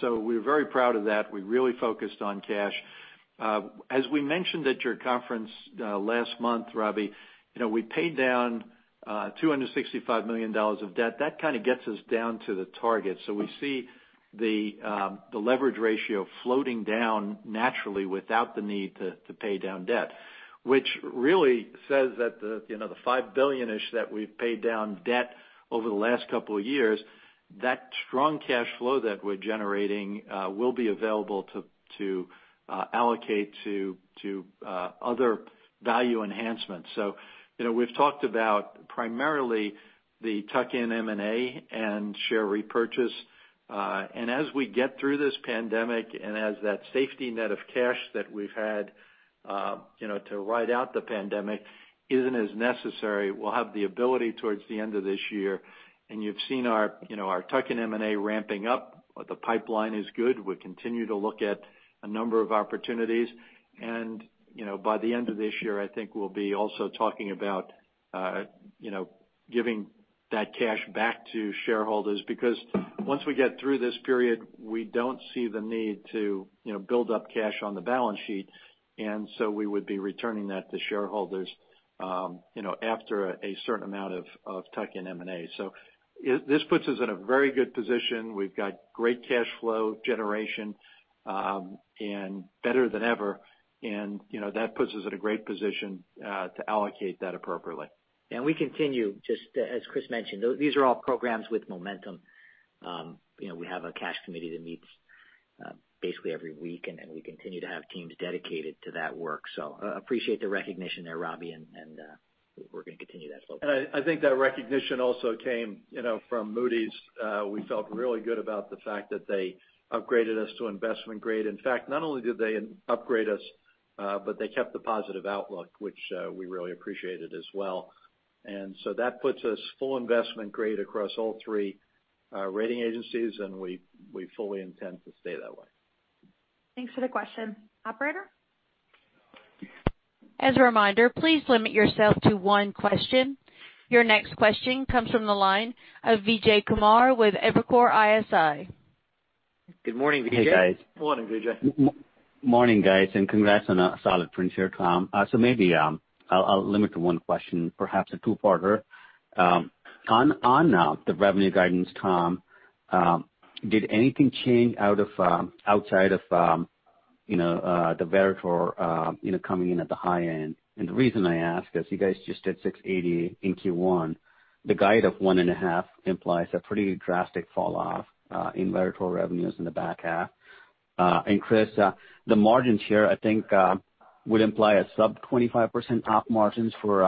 We're very proud of that. We really focused on cash. As we mentioned at your conference last month, Robbie, we paid down $265 million of debt. That kind of gets us down to the target. We see the leverage ratio floating down naturally without the need to pay down debt, which really says that the $5 billion-ish that we've paid down debt over the last couple of years, that strong cash flow that we're generating will be available to allocate to other value enhancements. We've talked about primarily the tuck-in M&A and share repurchase. As we get through this pandemic, and as that safety net of cash that we've had to ride out the pandemic isn't as necessary, we'll have the ability towards the end of this year, and you've seen our tuck-in M&A ramping up. The pipeline is good. We continue to look at a number of opportunities. By the end of this year, I think we'll be also talking about giving that cash back to shareholders because once we get through this period, we don't see the need to build up cash on the balance sheet, and so we would be returning that to shareholders after a certain amount of tuck-in M&A. This puts us in a very good position. We've got great cash flow generation and better than ever, and that puts us in a great position to allocate that appropriately. We continue, just as Chris mentioned, these are all programs with momentum. We have a cash committee that meets basically every week, and we continue to have teams dedicated to that work. Appreciate the recognition there, Robbie, and we're going to continue that flow. I think that recognition also came from Moody's. We felt really good about the fact that they upgraded us to investment grade. In fact, not only did they upgrade us, but they kept the positive outlook, which we really appreciated as well. That puts us full investment grade across all three rating agencies, and we fully intend to stay that way. Thanks for the question. Operator? As a reminder, please limit yourself to one question. Your next question comes from the line of Vijay Kumar with Evercore ISI. Good morning, Vijay. Morning, Vijay. Morning, guys, and congrats on a solid print here, Tom. Maybe I'll limit to one question, perhaps a two-parter. On the revenue guidance, Tom, did anything change outside of BD Veritor coming in at the high end? The reason I ask is you guys just did $680 million in Q1. The guide of $1.5 billion implies a pretty drastic fall off in BD Veritor revenues in the back half. Chris, the margins here, I think, would imply a sub 25% Op margins for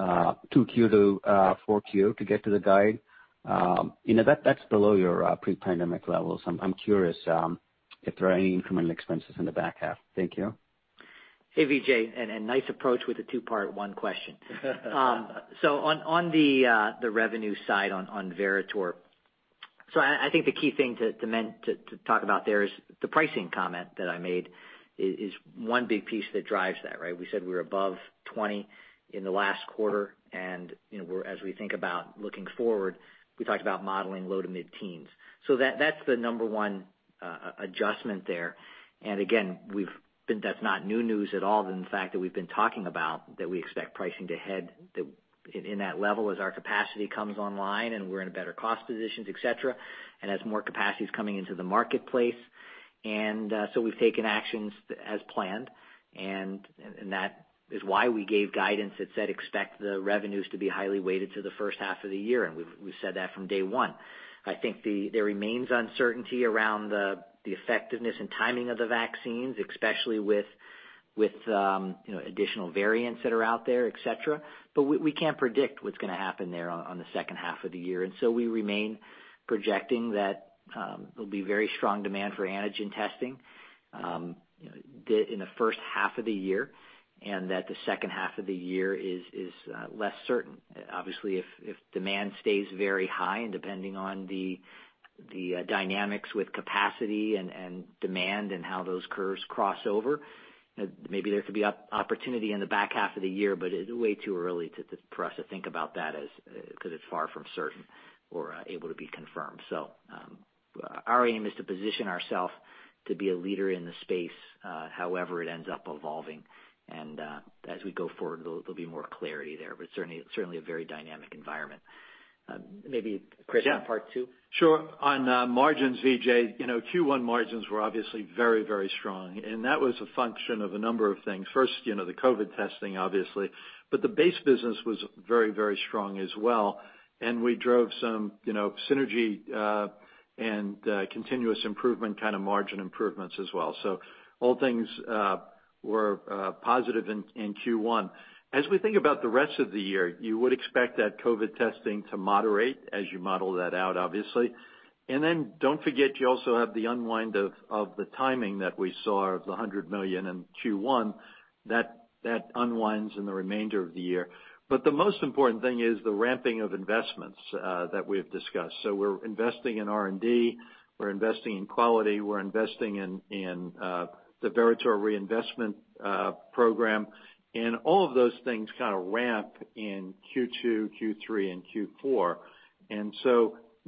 2Q-4Q to get to the guide. That's below your pre-pandemic levels. I'm curious if there are any incremental expenses in the back half. Thank you. Hey, Vijay, and nice approach with the two-part one question. On the revenue side on Veritor, I think the key thing to talk about there is the pricing comment that I made is one big piece that drives that, right? We said we were above 20 in the last quarter, and as we think about looking forward, we talked about modeling low to mid-teens. That's the number one adjustment there. And again, that's not new news at all. In fact, that we've been talking about that we expect pricing to head in that level as our capacity comes online and we're in a better cost positions, et cetera, and as more capacity is coming into the marketplace. We've taken actions as planned, and that is why we gave guidance that said, expect the revenues to be highly weighted to the first half of the year, and we've said that from day one. I think there remains uncertainty around the effectiveness and timing of the vaccines, especially with additional variants that are out there, et cetera. We can't predict what's going to happen there on the second half of the year. We remain projecting that there'll be very strong demand for antigen testing in the first half of the year, and that the second half of the year is less certain. Obviously, if demand stays very high and depending on the dynamics with capacity and demand and how those curves cross over, maybe there could be opportunity in the back half of the year, but it's way too early for us to think about that because it's far from certain or able to be confirmed. Our aim is to position ourselves to be a leader in the space however it ends up evolving. As we go forward, there'll be more clarity there, but certainly a very dynamic environment. Maybe, Chris, on part two? Sure. On margins, Vijay, Q1 margins were obviously very, very strong, that was a function of a number of things. First, the COVID testing, obviously, but the base business was very, very strong as well, we drove some synergy and continuous improvement kind of margin improvements as well. All things were positive in Q1. As we think about the rest of the year, you would expect that COVID testing to moderate as you model that out, obviously. Don't forget, you also have the unwind of the timing that we saw of the $100 million in Q1. That unwinds in the remainder of the year. The most important thing is the ramping of investments that we've discussed. We're investing in R&D, we're investing in quality, we're investing in the Veritor reinvestment program, and all of those things kind of ramp in Q2, Q3, and Q4.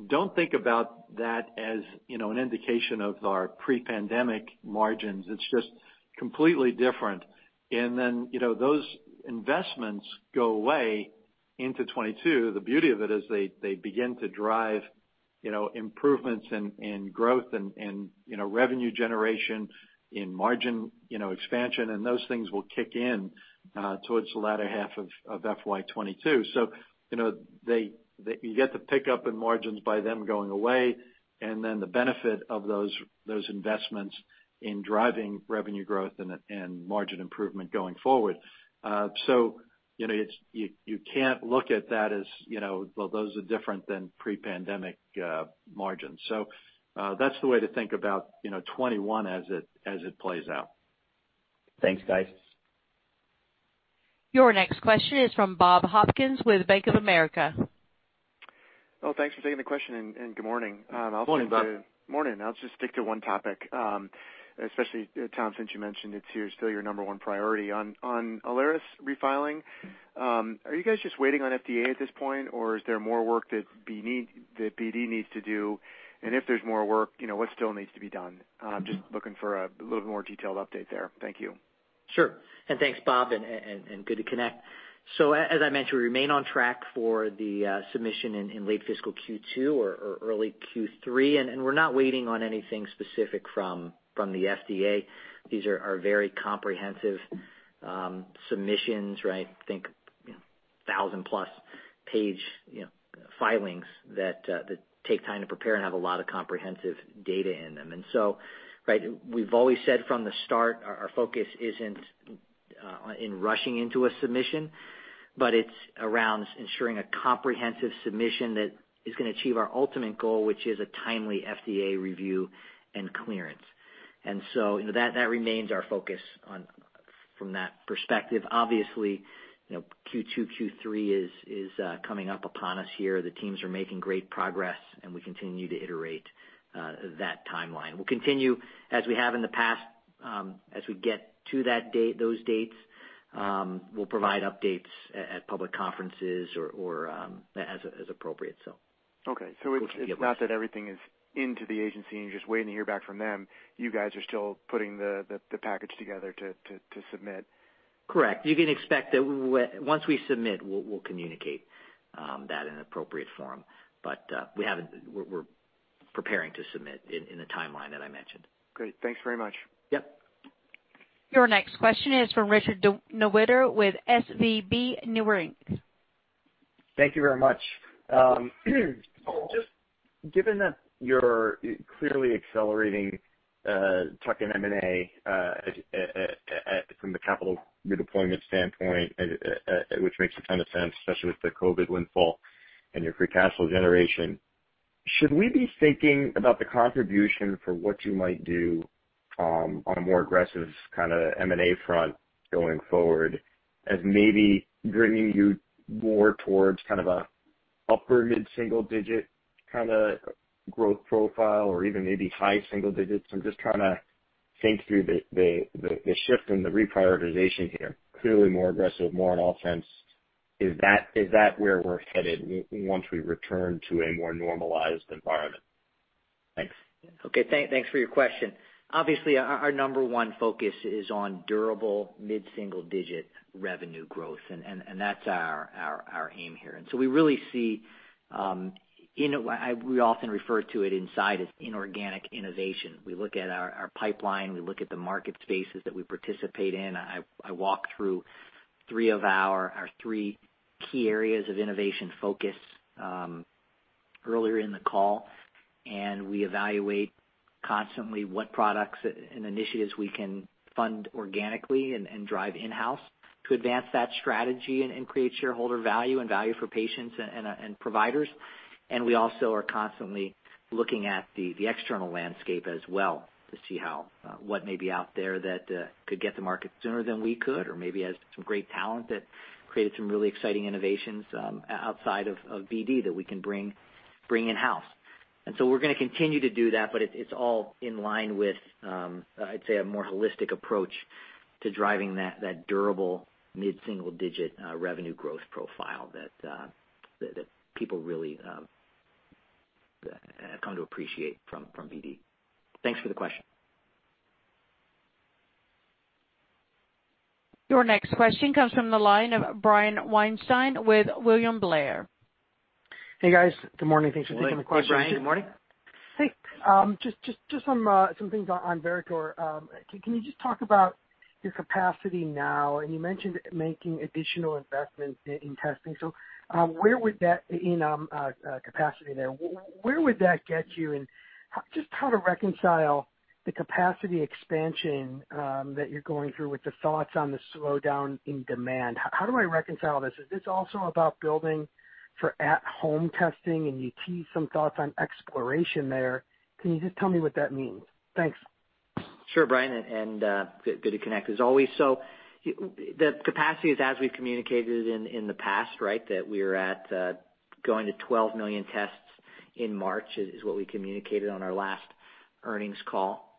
Don't think about that as an indication of our pre-pandemic margins. It's just completely different. Then those investments go away into 2022, the beauty of it is they begin to drive improvements in growth and revenue generation, in margin expansion, and those things will kick in towards the latter half of FY 2022. You get the pickup in margins by them going away, and then the benefit of those investments in driving revenue growth and margin improvement going forward. You can't look at that as, well, those are different than pre-pandemic margins. That's the way to think about 2021 as it plays out. Thanks, guys. Your next question is from Bob Hopkins with Bank of America. Well, thanks for taking the question, and good morning. Good morning, Bob. Morning. I'll just stick to one topic, especially, Tom, since you mentioned it's still your number one priority. On Alaris refiling, are you guys just waiting on FDA at this point, or is there more work that BD needs to do? If there's more work, what still needs to be done? Just looking for a little more detailed update there. Thank you. Sure. Thanks, Bob, and good to connect. As I mentioned, we remain on track for the submission in late fiscal Q2 or early Q3, and we're not waiting on anything specific from the FDA. These are very comprehensive submissions, right? Think 1,000+ page filings that take time to prepare and have a lot of comprehensive data in them. Right, we've always said from the start, our focus isn't in rushing into a submission, but it's around ensuring a comprehensive submission that is going to achieve our ultimate goal, which is a timely FDA review and clearance. That remains our focus from that perspective. Obviously, Q2, Q3 is coming up upon us here. The teams are making great progress, and we continue to iterate that timeline. We'll continue as we have in the past. As we get to those dates, we'll provide updates at public conferences or as appropriate. Okay. It's not that everything is into the agency and you're just waiting to hear back from them. You guys are still putting the package together to submit. Correct. You can expect that once we submit, we'll communicate that in an appropriate forum. We're preparing to submit in the timeline that I mentioned. Great. Thanks very much. Yep. Your next question is from Richard Newitter with SVB Leerink. Thank you very much. Just given that you're clearly accelerating tuck-in M&A from the capital redeployment standpoint, which makes a ton of sense, especially with the COVID windfall and your free cash flow generation, should we be thinking about the contribution for what you might do on a more aggressive kind of M&A front going forward as maybe bringing you more towards kind of an upper mid-single-digit kind of growth profile or even maybe high single digits? I'm just trying to think through the shift and the reprioritization here. Clearly more aggressive, more on all fronts. Is that where we're headed once we return to a more normalized environment? Thanks. Thanks for your question. Obviously, our number one focus is on durable mid-single-digit revenue growth, and that's our aim here. We really see, we often refer to it inside as inorganic innovation. We look at our pipeline, we look at the market spaces that we participate in. I walked through our three key areas of innovation focus earlier in the call, and we evaluate constantly what products and initiatives we can fund organically and drive in-house to advance that strategy and create shareholder value and value for patients and providers. We also are constantly looking at the external landscape as well to see what may be out there that could get to market sooner than we could or maybe has some great talent that created some really exciting innovations outside of BD that we can bring in-house. We're going to continue to do that, but it's all in line with, I'd say, a more holistic approach to driving that durable mid-single digit revenue growth profile that people really have come to appreciate from BD. Thanks for the question. Your next question comes from the line of Brian Weinstein with William Blair. Hey, guys. Good morning. Thanks for taking the question. Hey, Brian. Good morning. Hey. Just some things on Veritor. Can you just talk about your capacity now? You mentioned making additional investments in testing. Where in capacity there. Where would that get you? Just how to reconcile the capacity expansion that you're going through with the thoughts on the slowdown in demand. How do I reconcile this? Is this also about building for at-home testing, and you teased some thoughts on exploration there. Can you just tell me what that means? Thanks. Sure, Brian, good to connect as always. The capacity is, as we've communicated in the past, right? That we're at going to 12 million tests in March is what we communicated on our last earnings call.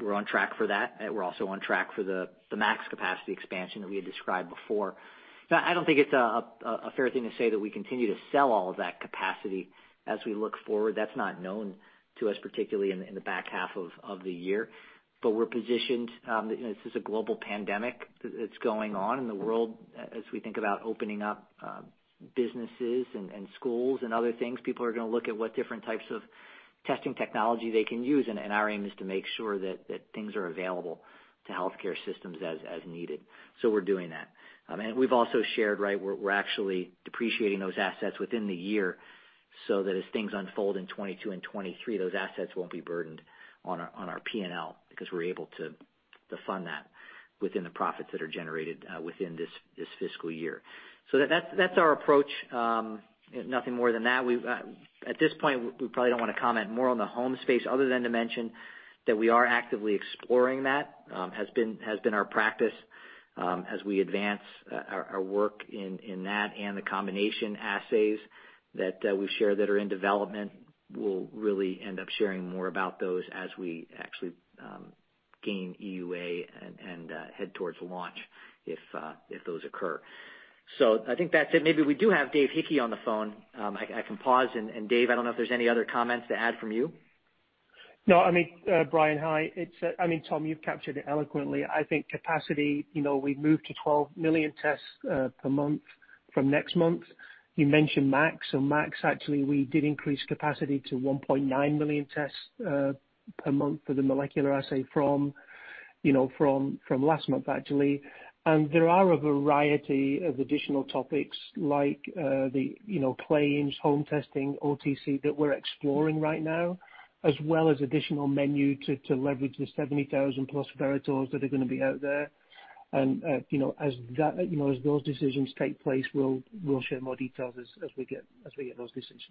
We're on track for that. We're also on track for the MAX capacity expansion that we had described before. I don't think it's a fair thing to say that we continue to sell all of that capacity as we look forward. That's not known to us, particularly in the back half of the year. We're positioned. This is a global pandemic that's going on in the world. As we think about opening up businesses and schools and other things, people are going to look at what different types of testing technology they can use, and our aim is to make sure that things are available to healthcare systems as needed. We're doing that. We've also shared, we're actually depreciating those assets within the year, so that as things unfold in 2022 and 2023, those assets won't be burdened on our P&L because we're able to fund that within the profits that are generated within this fiscal year. That's our approach. Nothing more than that. At this point, we probably don't want to comment more on the home space other than to mention that we are actively exploring that. Has been our practice, as we advance our work in that and the combination assays that we share that are in development. We'll really end up sharing more about those as we actually gain EUA and head towards launch if those occur. I think that's it. Maybe we do have Dave Hickey on the phone. I can pause, and Dave, I don't know if there's any other comments to add from you? No, Brian, hi. Tom, you've captured it eloquently. I think capacity, we've moved to 12 million tests per month from next month. You mentioned BD MAX. BD MAX, actually, we did increase capacity to 1.9 million tests per month for the molecular assay from last month actually. There are a variety of additional topics like the claims, home testing, OTC that we're exploring right now, as well as additional menu to leverage the 70,000-plus BD Veritors that are going to be out there. As those decisions take place, we'll share more details as we get those decisions.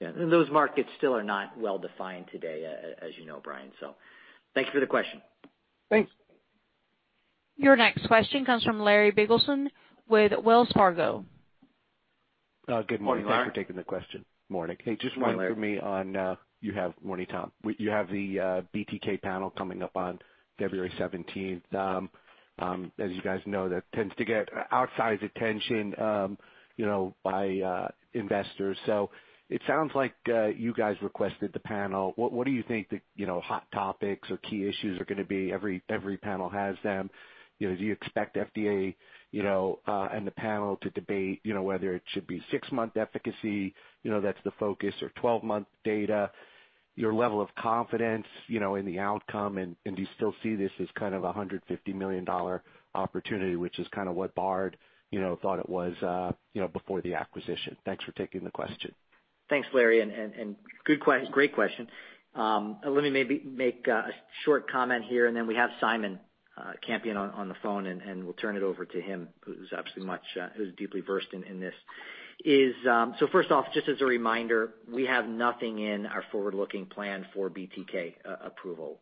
Yeah. Those markets still are not well-defined today, as you know, Brian. Thanks for the question. Thanks. Your next question comes from Larry Biegelsen with Wells Fargo. Good morning. Morning, Larry. Thanks for taking the question. Morning. Morning, Larry. Just one for me. Morning, Tom. You have the BTK panel coming up on February 17th. As you guys know, that tends to get outsized attention by investors. It sounds like you guys requested the panel. What do you think the hot topics or key issues are going to be? Every panel has them. Do you expect FDA and the panel to debate whether it should be six-month efficacy, that's the focus or 12-month data, your level of confidence in the outcome, and do you still see this as kind of a $150 million opportunity, which is kind of what Bard thought it was before the acquisition? Thanks for taking the question. Thanks, Larry. Great question. Let me maybe make a short comment here, and then we have Simon Campion on the phone, and we'll turn it over to him, who's deeply versed in this. First off, just as a reminder, we have nothing in our forward-looking plan for BTK approval.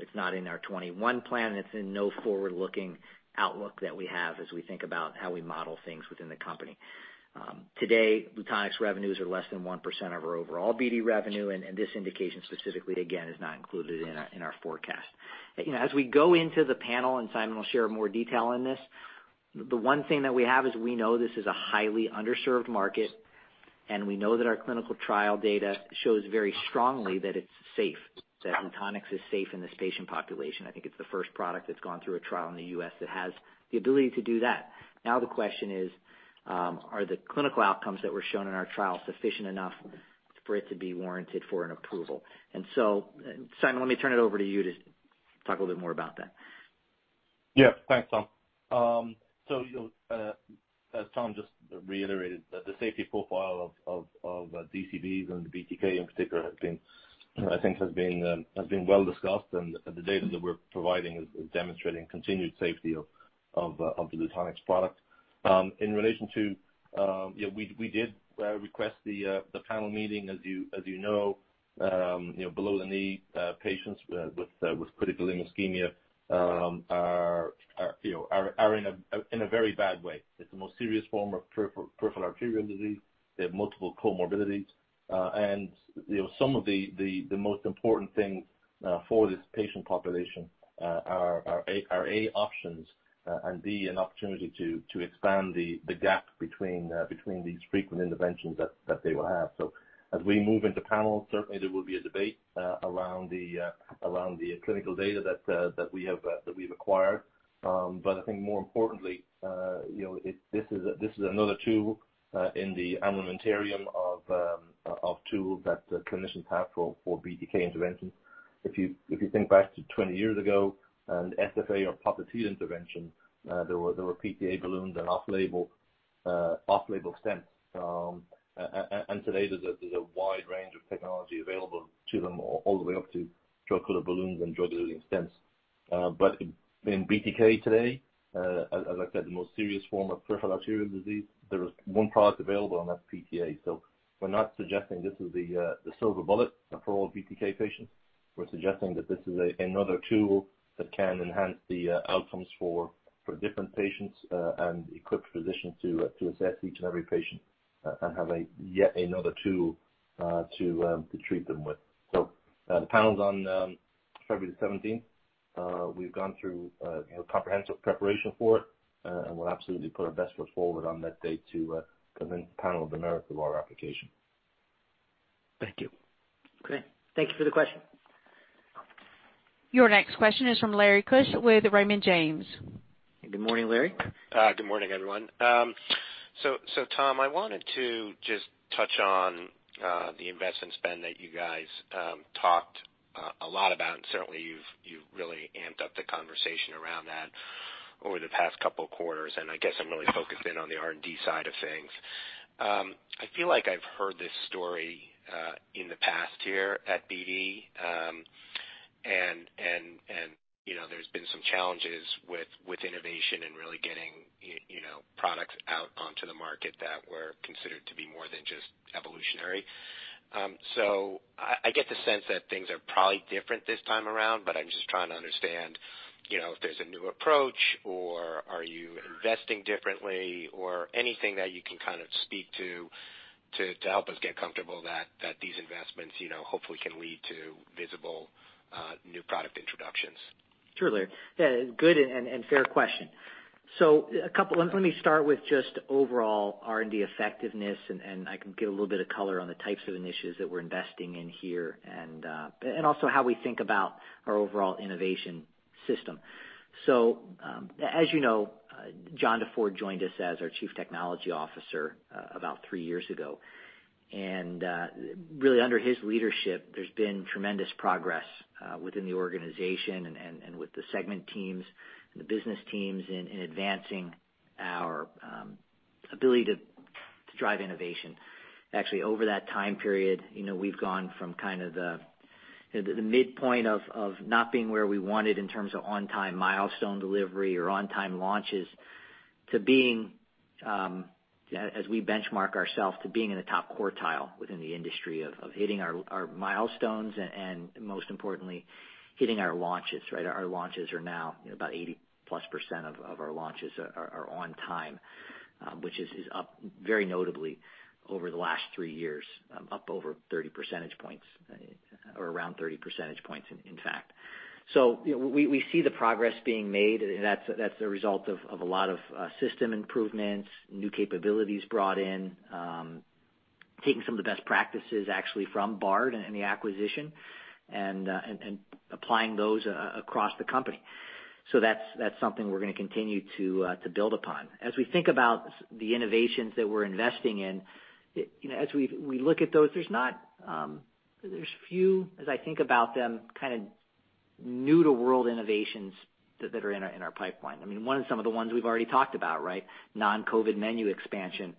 It's not in our 2021 plan. It's in no forward-looking outlook that we have as we think about how we model things within the company. Today, Lutonix revenues are less than 1% of our overall BD revenue, and this indication specifically, again, is not included in our forecast. As we go into the panel, Simon will share more detail on this, the one thing that we have is we know this is a highly underserved market, and we know that our clinical trial data shows very strongly that it's safe, that Lutonix is safe in this patient population. I think it's the first product that's gone through a trial in the U.S. that has the ability to do that. Now the question is, are the clinical outcomes that were shown in our trial sufficient enough for it to be warranted for an approval? Simon, let me turn it over to you to talk a little bit more about that. Yeah. Thanks, Tom. As Tom just reiterated, the safety profile of DCBs and BTK in particular, I think has been well discussed, and the data that we're providing is demonstrating continued safety of the Lutonix product. We did request the panel meeting. As you know, below-the-knee patients with critical ischemia are in a very bad way. It's the most serious form of peripheral arterial disease. They have multiple comorbidities. Some of the most important things for this patient population are, A, options, and B, an opportunity to expand the gap between these frequent interventions that they will have. As we move into panel, certainly there will be a debate around the clinical data that we've acquired. I think more importantly, this is another tool in the armamentarium of tools that clinicians have for BTK intervention. If you think back to 20 years ago and SFA or popliteal intervention, there were PTA balloons and off-label stents. Today, there's a wide range of technology available to them all the way up to drug-coated balloons and drug-eluting stents. In BTK today, as I said, the most serious form of peripheral arterial disease, there is one product available, and that's PTA. We're not suggesting this is the silver bullet for all BTK patients. We're suggesting that this is another tool that can enhance the outcomes for different patients and equip physicians to assess each and every patient and have yet another tool to treat them with February 17th. We've gone through comprehensive preparation for it, and we'll absolutely put our best foot forward on that date to convince the panel of the merit of our application. Thank you. Great. Thank you for the question. Your next question is from Larry Keusch with Raymond James. Good morning, Larry. Good morning, everyone. Tom, I wanted to just touch on the investment spend that you guys talked a lot about, and certainly you've really amped up the conversation around that over the past couple of quarters, and I guess I'm really focused in on the R&D side of things. I feel like I've heard this story in the past here at BD. There's been some challenges with innovation and really getting products out onto the market that were considered to be more than just evolutionary. I get the sense that things are probably different this time around, but I'm just trying to understand if there's a new approach or are you investing differently or anything that you can kind of speak to help us get comfortable that these investments hopefully can lead to visible new product introductions. Sure, Larry. Good and fair question. Let me start with just overall R&D effectiveness, and I can give a little bit of color on the types of initiatives that we're investing in here and also how we think about our overall innovation system. As you know, John DeFord joined us as our Chief Technology Officer about three years ago. Really under his leadership, there's been tremendous progress within the organization and with the segment teams and the business teams in advancing our ability to drive innovation. Actually, over that time period, we've gone from kind of the midpoint of not being where we wanted in terms of on-time milestone delivery or on-time launches, to being, as we benchmark ourselves, to being in the top quartile within the industry of hitting our milestones and most importantly, hitting our launches. Our launches are now about 80%+ of our launches are on time, which is up very notably over the last three years, up over 30 percentage points or around 30 percentage points, in fact. We see the progress being made. That's the result of a lot of system improvements, new capabilities brought in, taking some of the best practices actually from Bard in the acquisition and applying those across the company. That's something we're going to continue to build upon. As we think about the innovations that we're investing in, as we look at those, there's few, as I think about them, kind of new to world innovations that are in our pipeline. One of some of the ones we've already talked about. Non-COVID menu expansion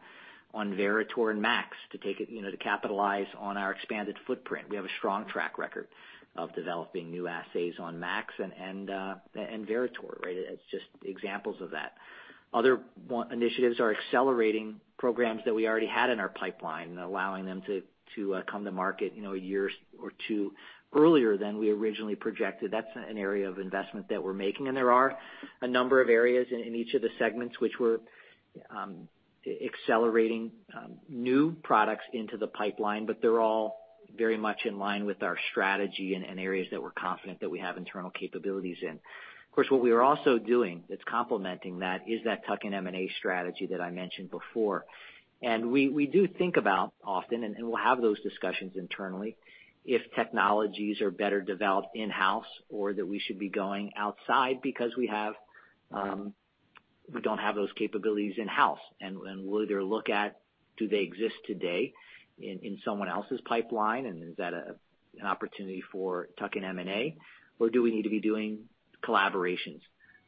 on Veritor and Max to capitalize on our expanded footprint. We have a strong track record of developing new assays on BD MAX and BD Veritor. It's just examples of that. Other initiatives are accelerating programs that we already had in our pipeline and allowing them to come to market a year or two earlier than we originally projected. That's an area of investment that we're making, and there are a number of areas in each of the segments which we're accelerating new products into the pipeline, but they're all very much in line with our strategy and areas that we're confident that we have internal capabilities in. Of course, what we are also doing that's complementing that is that tuck-in M&A strategy that I mentioned before. We do think about often, and we'll have those discussions internally, if technologies are better developed in-house or that we should be going outside because we don't have those capabilities in-house. We'll either look at do they exist today in someone else's pipeline, and is that an opportunity for tuck-in M&A, or do we need to be doing collaborations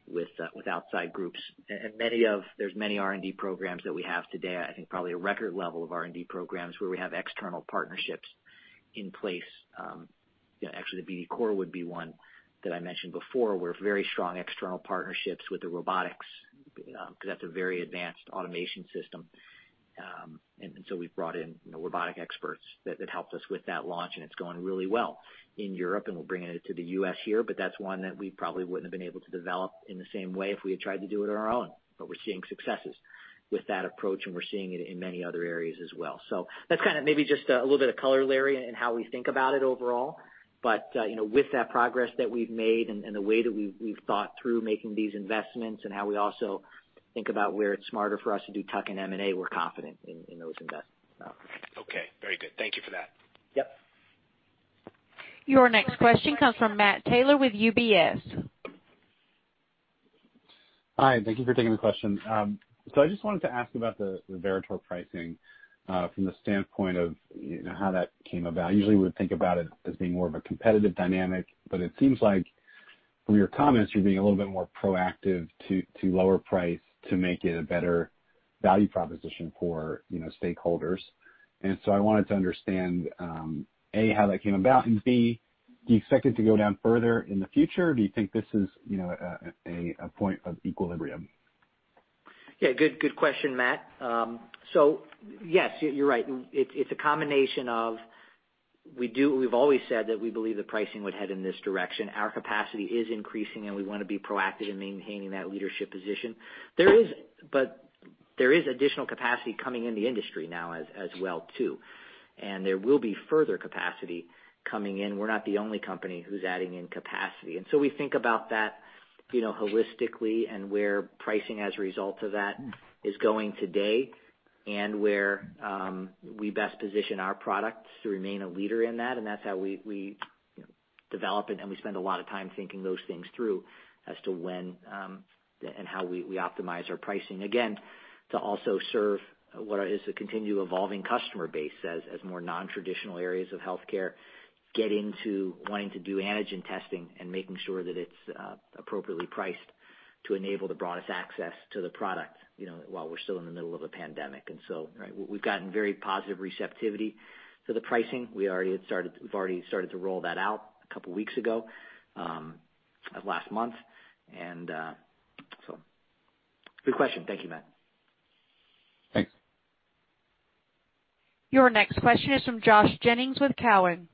with outside groups? There's many R&D programs that we have today, I think probably a record level of R&D programs where we have external partnerships in place. Actually, the BD COR would be one that I mentioned before, where very strong external partnerships with the robotics, because that's a very advanced automation system. We've brought in robotic experts that helped us with that launch, and it's going really well in Europe, and we're bringing it to the U.S. here, but that's one that we probably wouldn't have been able to develop in the same way if we had tried to do it on our own. We're seeing successes with that approach, and we're seeing it in many other areas as well. That's kind of maybe just a little bit of color, Larry, in how we think about it overall. With that progress that we've made and the way that we've thought through making these investments and how we also think about where it's smarter for us to do tuck-in M&A, we're confident in those investments. Okay. Very good. Thank you for that. Yep. Your next question comes from Matt Taylor with UBS. Hi, thank you for taking the question. I just wanted to ask about the Veritor pricing from the standpoint of how that came about. Usually, we would think about it as being more of a competitive dynamic, but it seems like from your comments, you're being a little bit more proactive to lower price to make it a better value proposition for stakeholders. I wanted to understand, A, how that came about, and B, do you expect it to go down further in the future, or do you think this is a point of equilibrium? Yeah, good question, Matt. Yes, you're right. It's a combination of, we've always said that we believe the pricing would head in this direction. Our capacity is increasing, and we want to be proactive in maintaining that leadership position. There is additional capacity coming in the industry now as well, too, and there will be further capacity coming in. We're not the only company who's adding in capacity. We think about that holistically and where pricing as a result of that is going today and where we best position our products to remain a leader in that. That's how we develop it, and we spend a lot of time thinking those things through as to when and how we optimize our pricing, again, to also serve what is a continually evolving customer base as more non-traditional areas of healthcare get into wanting to do antigen testing and making sure that it's appropriately priced to enable the broadest access to the product while we're still in the middle of a pandemic. We've gotten very positive receptivity to the pricing. We've already started to roll that out a couple of weeks ago, of last month. Good question. Thank you, Matt. Thanks. Your next question is from Josh Jennings with Cowen.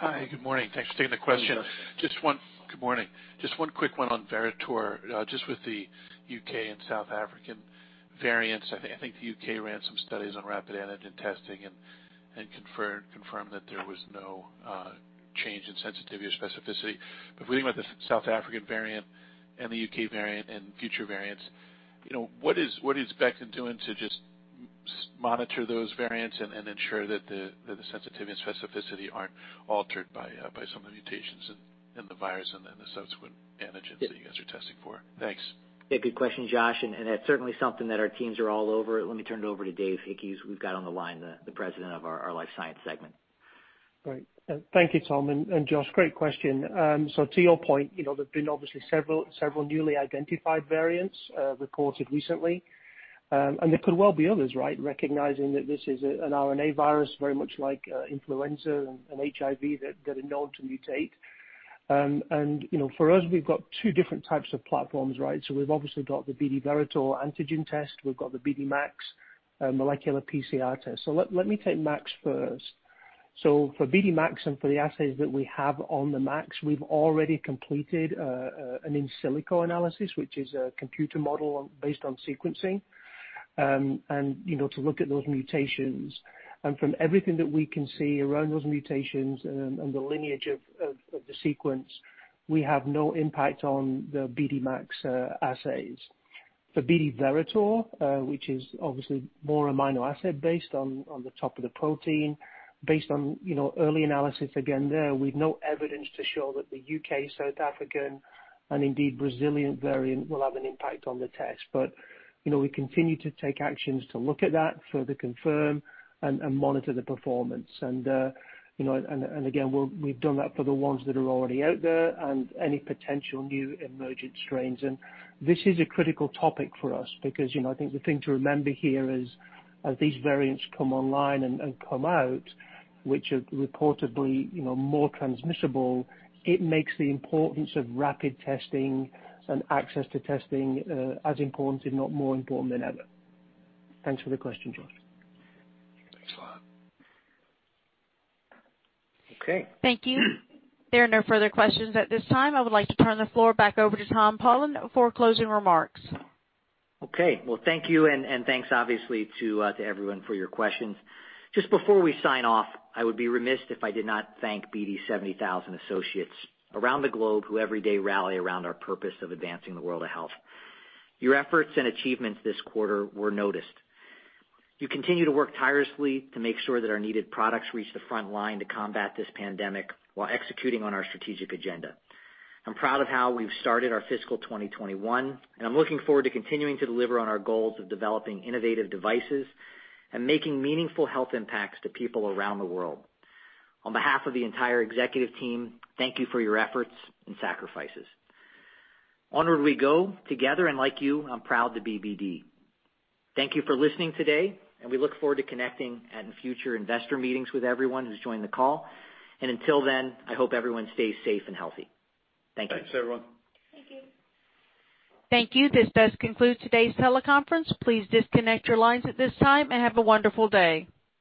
Hi, good morning. Thanks for taking the question. Hey, Josh. Good morning. One quick one on Veritor. With the U.K. and South African variants, I think the U.K. ran some studies on rapid antigen testing and confirmed that there was no change in sensitivity or specificity. What about the South African variant and the U.K. variant and future variants? What is Becton doing to just monitor those variants and ensure that the sensitivity and specificity aren't altered by some of the mutations in the virus and the subsequent antigens that you guys are testing for? Thanks. That's certainly something that our teams are all over. Let me turn it over to Dave Hickey, who we've got on the line, the President of our Life Sciences Segment. Great. Thank you, Tom. Josh, great question. To your point, there's been obviously several newly identified variants reported recently. There could well be others, right? Recognizing that this is an RNA virus, very much like influenza and HIV that are known to mutate. For us, we've got two different types of platforms, right? We've obviously got the BD Veritor antigen test. We've got the BD MAX molecular PCR test. Let me take MAX first. For BD MAX and for the assays that we have on the MAX, we've already completed an in silico analysis, which is a computer model based on sequencing, and to look at those mutations. From everything that we can see around those mutations and the lineage of the sequence, we have no impact on the BD MAX assays. For BD Veritor, which is obviously more amino acid-based on the top of the protein, based on early analysis, again, there, we have no evidence to show that the U.K., South African, and indeed Brazilian variant will have an impact on the test. We continue to take actions to look at that, further confirm, and monitor the performance. Again, we have done that for the ones that are already out there and any potential new emergent strains. This is a critical topic for us because I think the thing to remember here is as these variants come online and come out, which are reportedly more transmissible, it makes the importance of rapid testing and access to testing as important, if not more important than ever. Thanks for the question, Josh. Thanks a lot. Okay. Thank you. There are no further questions at this time. I would like to turn the floor back over to Tom Polen for closing remarks. Okay. Well, thank you, and thanks obviously to everyone for your questions. Just before we sign off, I would be remiss if I did not thank BD's 70,000 associates around the globe who every day rally around our purpose of advancing the world of health. Your efforts and achievements this quarter were noticed. You continue to work tirelessly to make sure that our needed products reach the front line to combat this pandemic while executing on our strategic agenda. I'm proud of how we've started our fiscal 2021, and I'm looking forward to continuing to deliver on our goals of developing innovative devices and making meaningful health impacts to people around the world. On behalf of the entire executive team, thank you for your efforts and sacrifices. Onward we go together, and like you, I'm proud to be BD. Thank you for listening today, and we look forward to connecting at future investor meetings with everyone who's joined the call. Until then, I hope everyone stays safe and healthy. Thank you. Thanks, everyone. Thank you. This does conclude today's teleconference. Please disconnect your lines at this time, and have a wonderful day.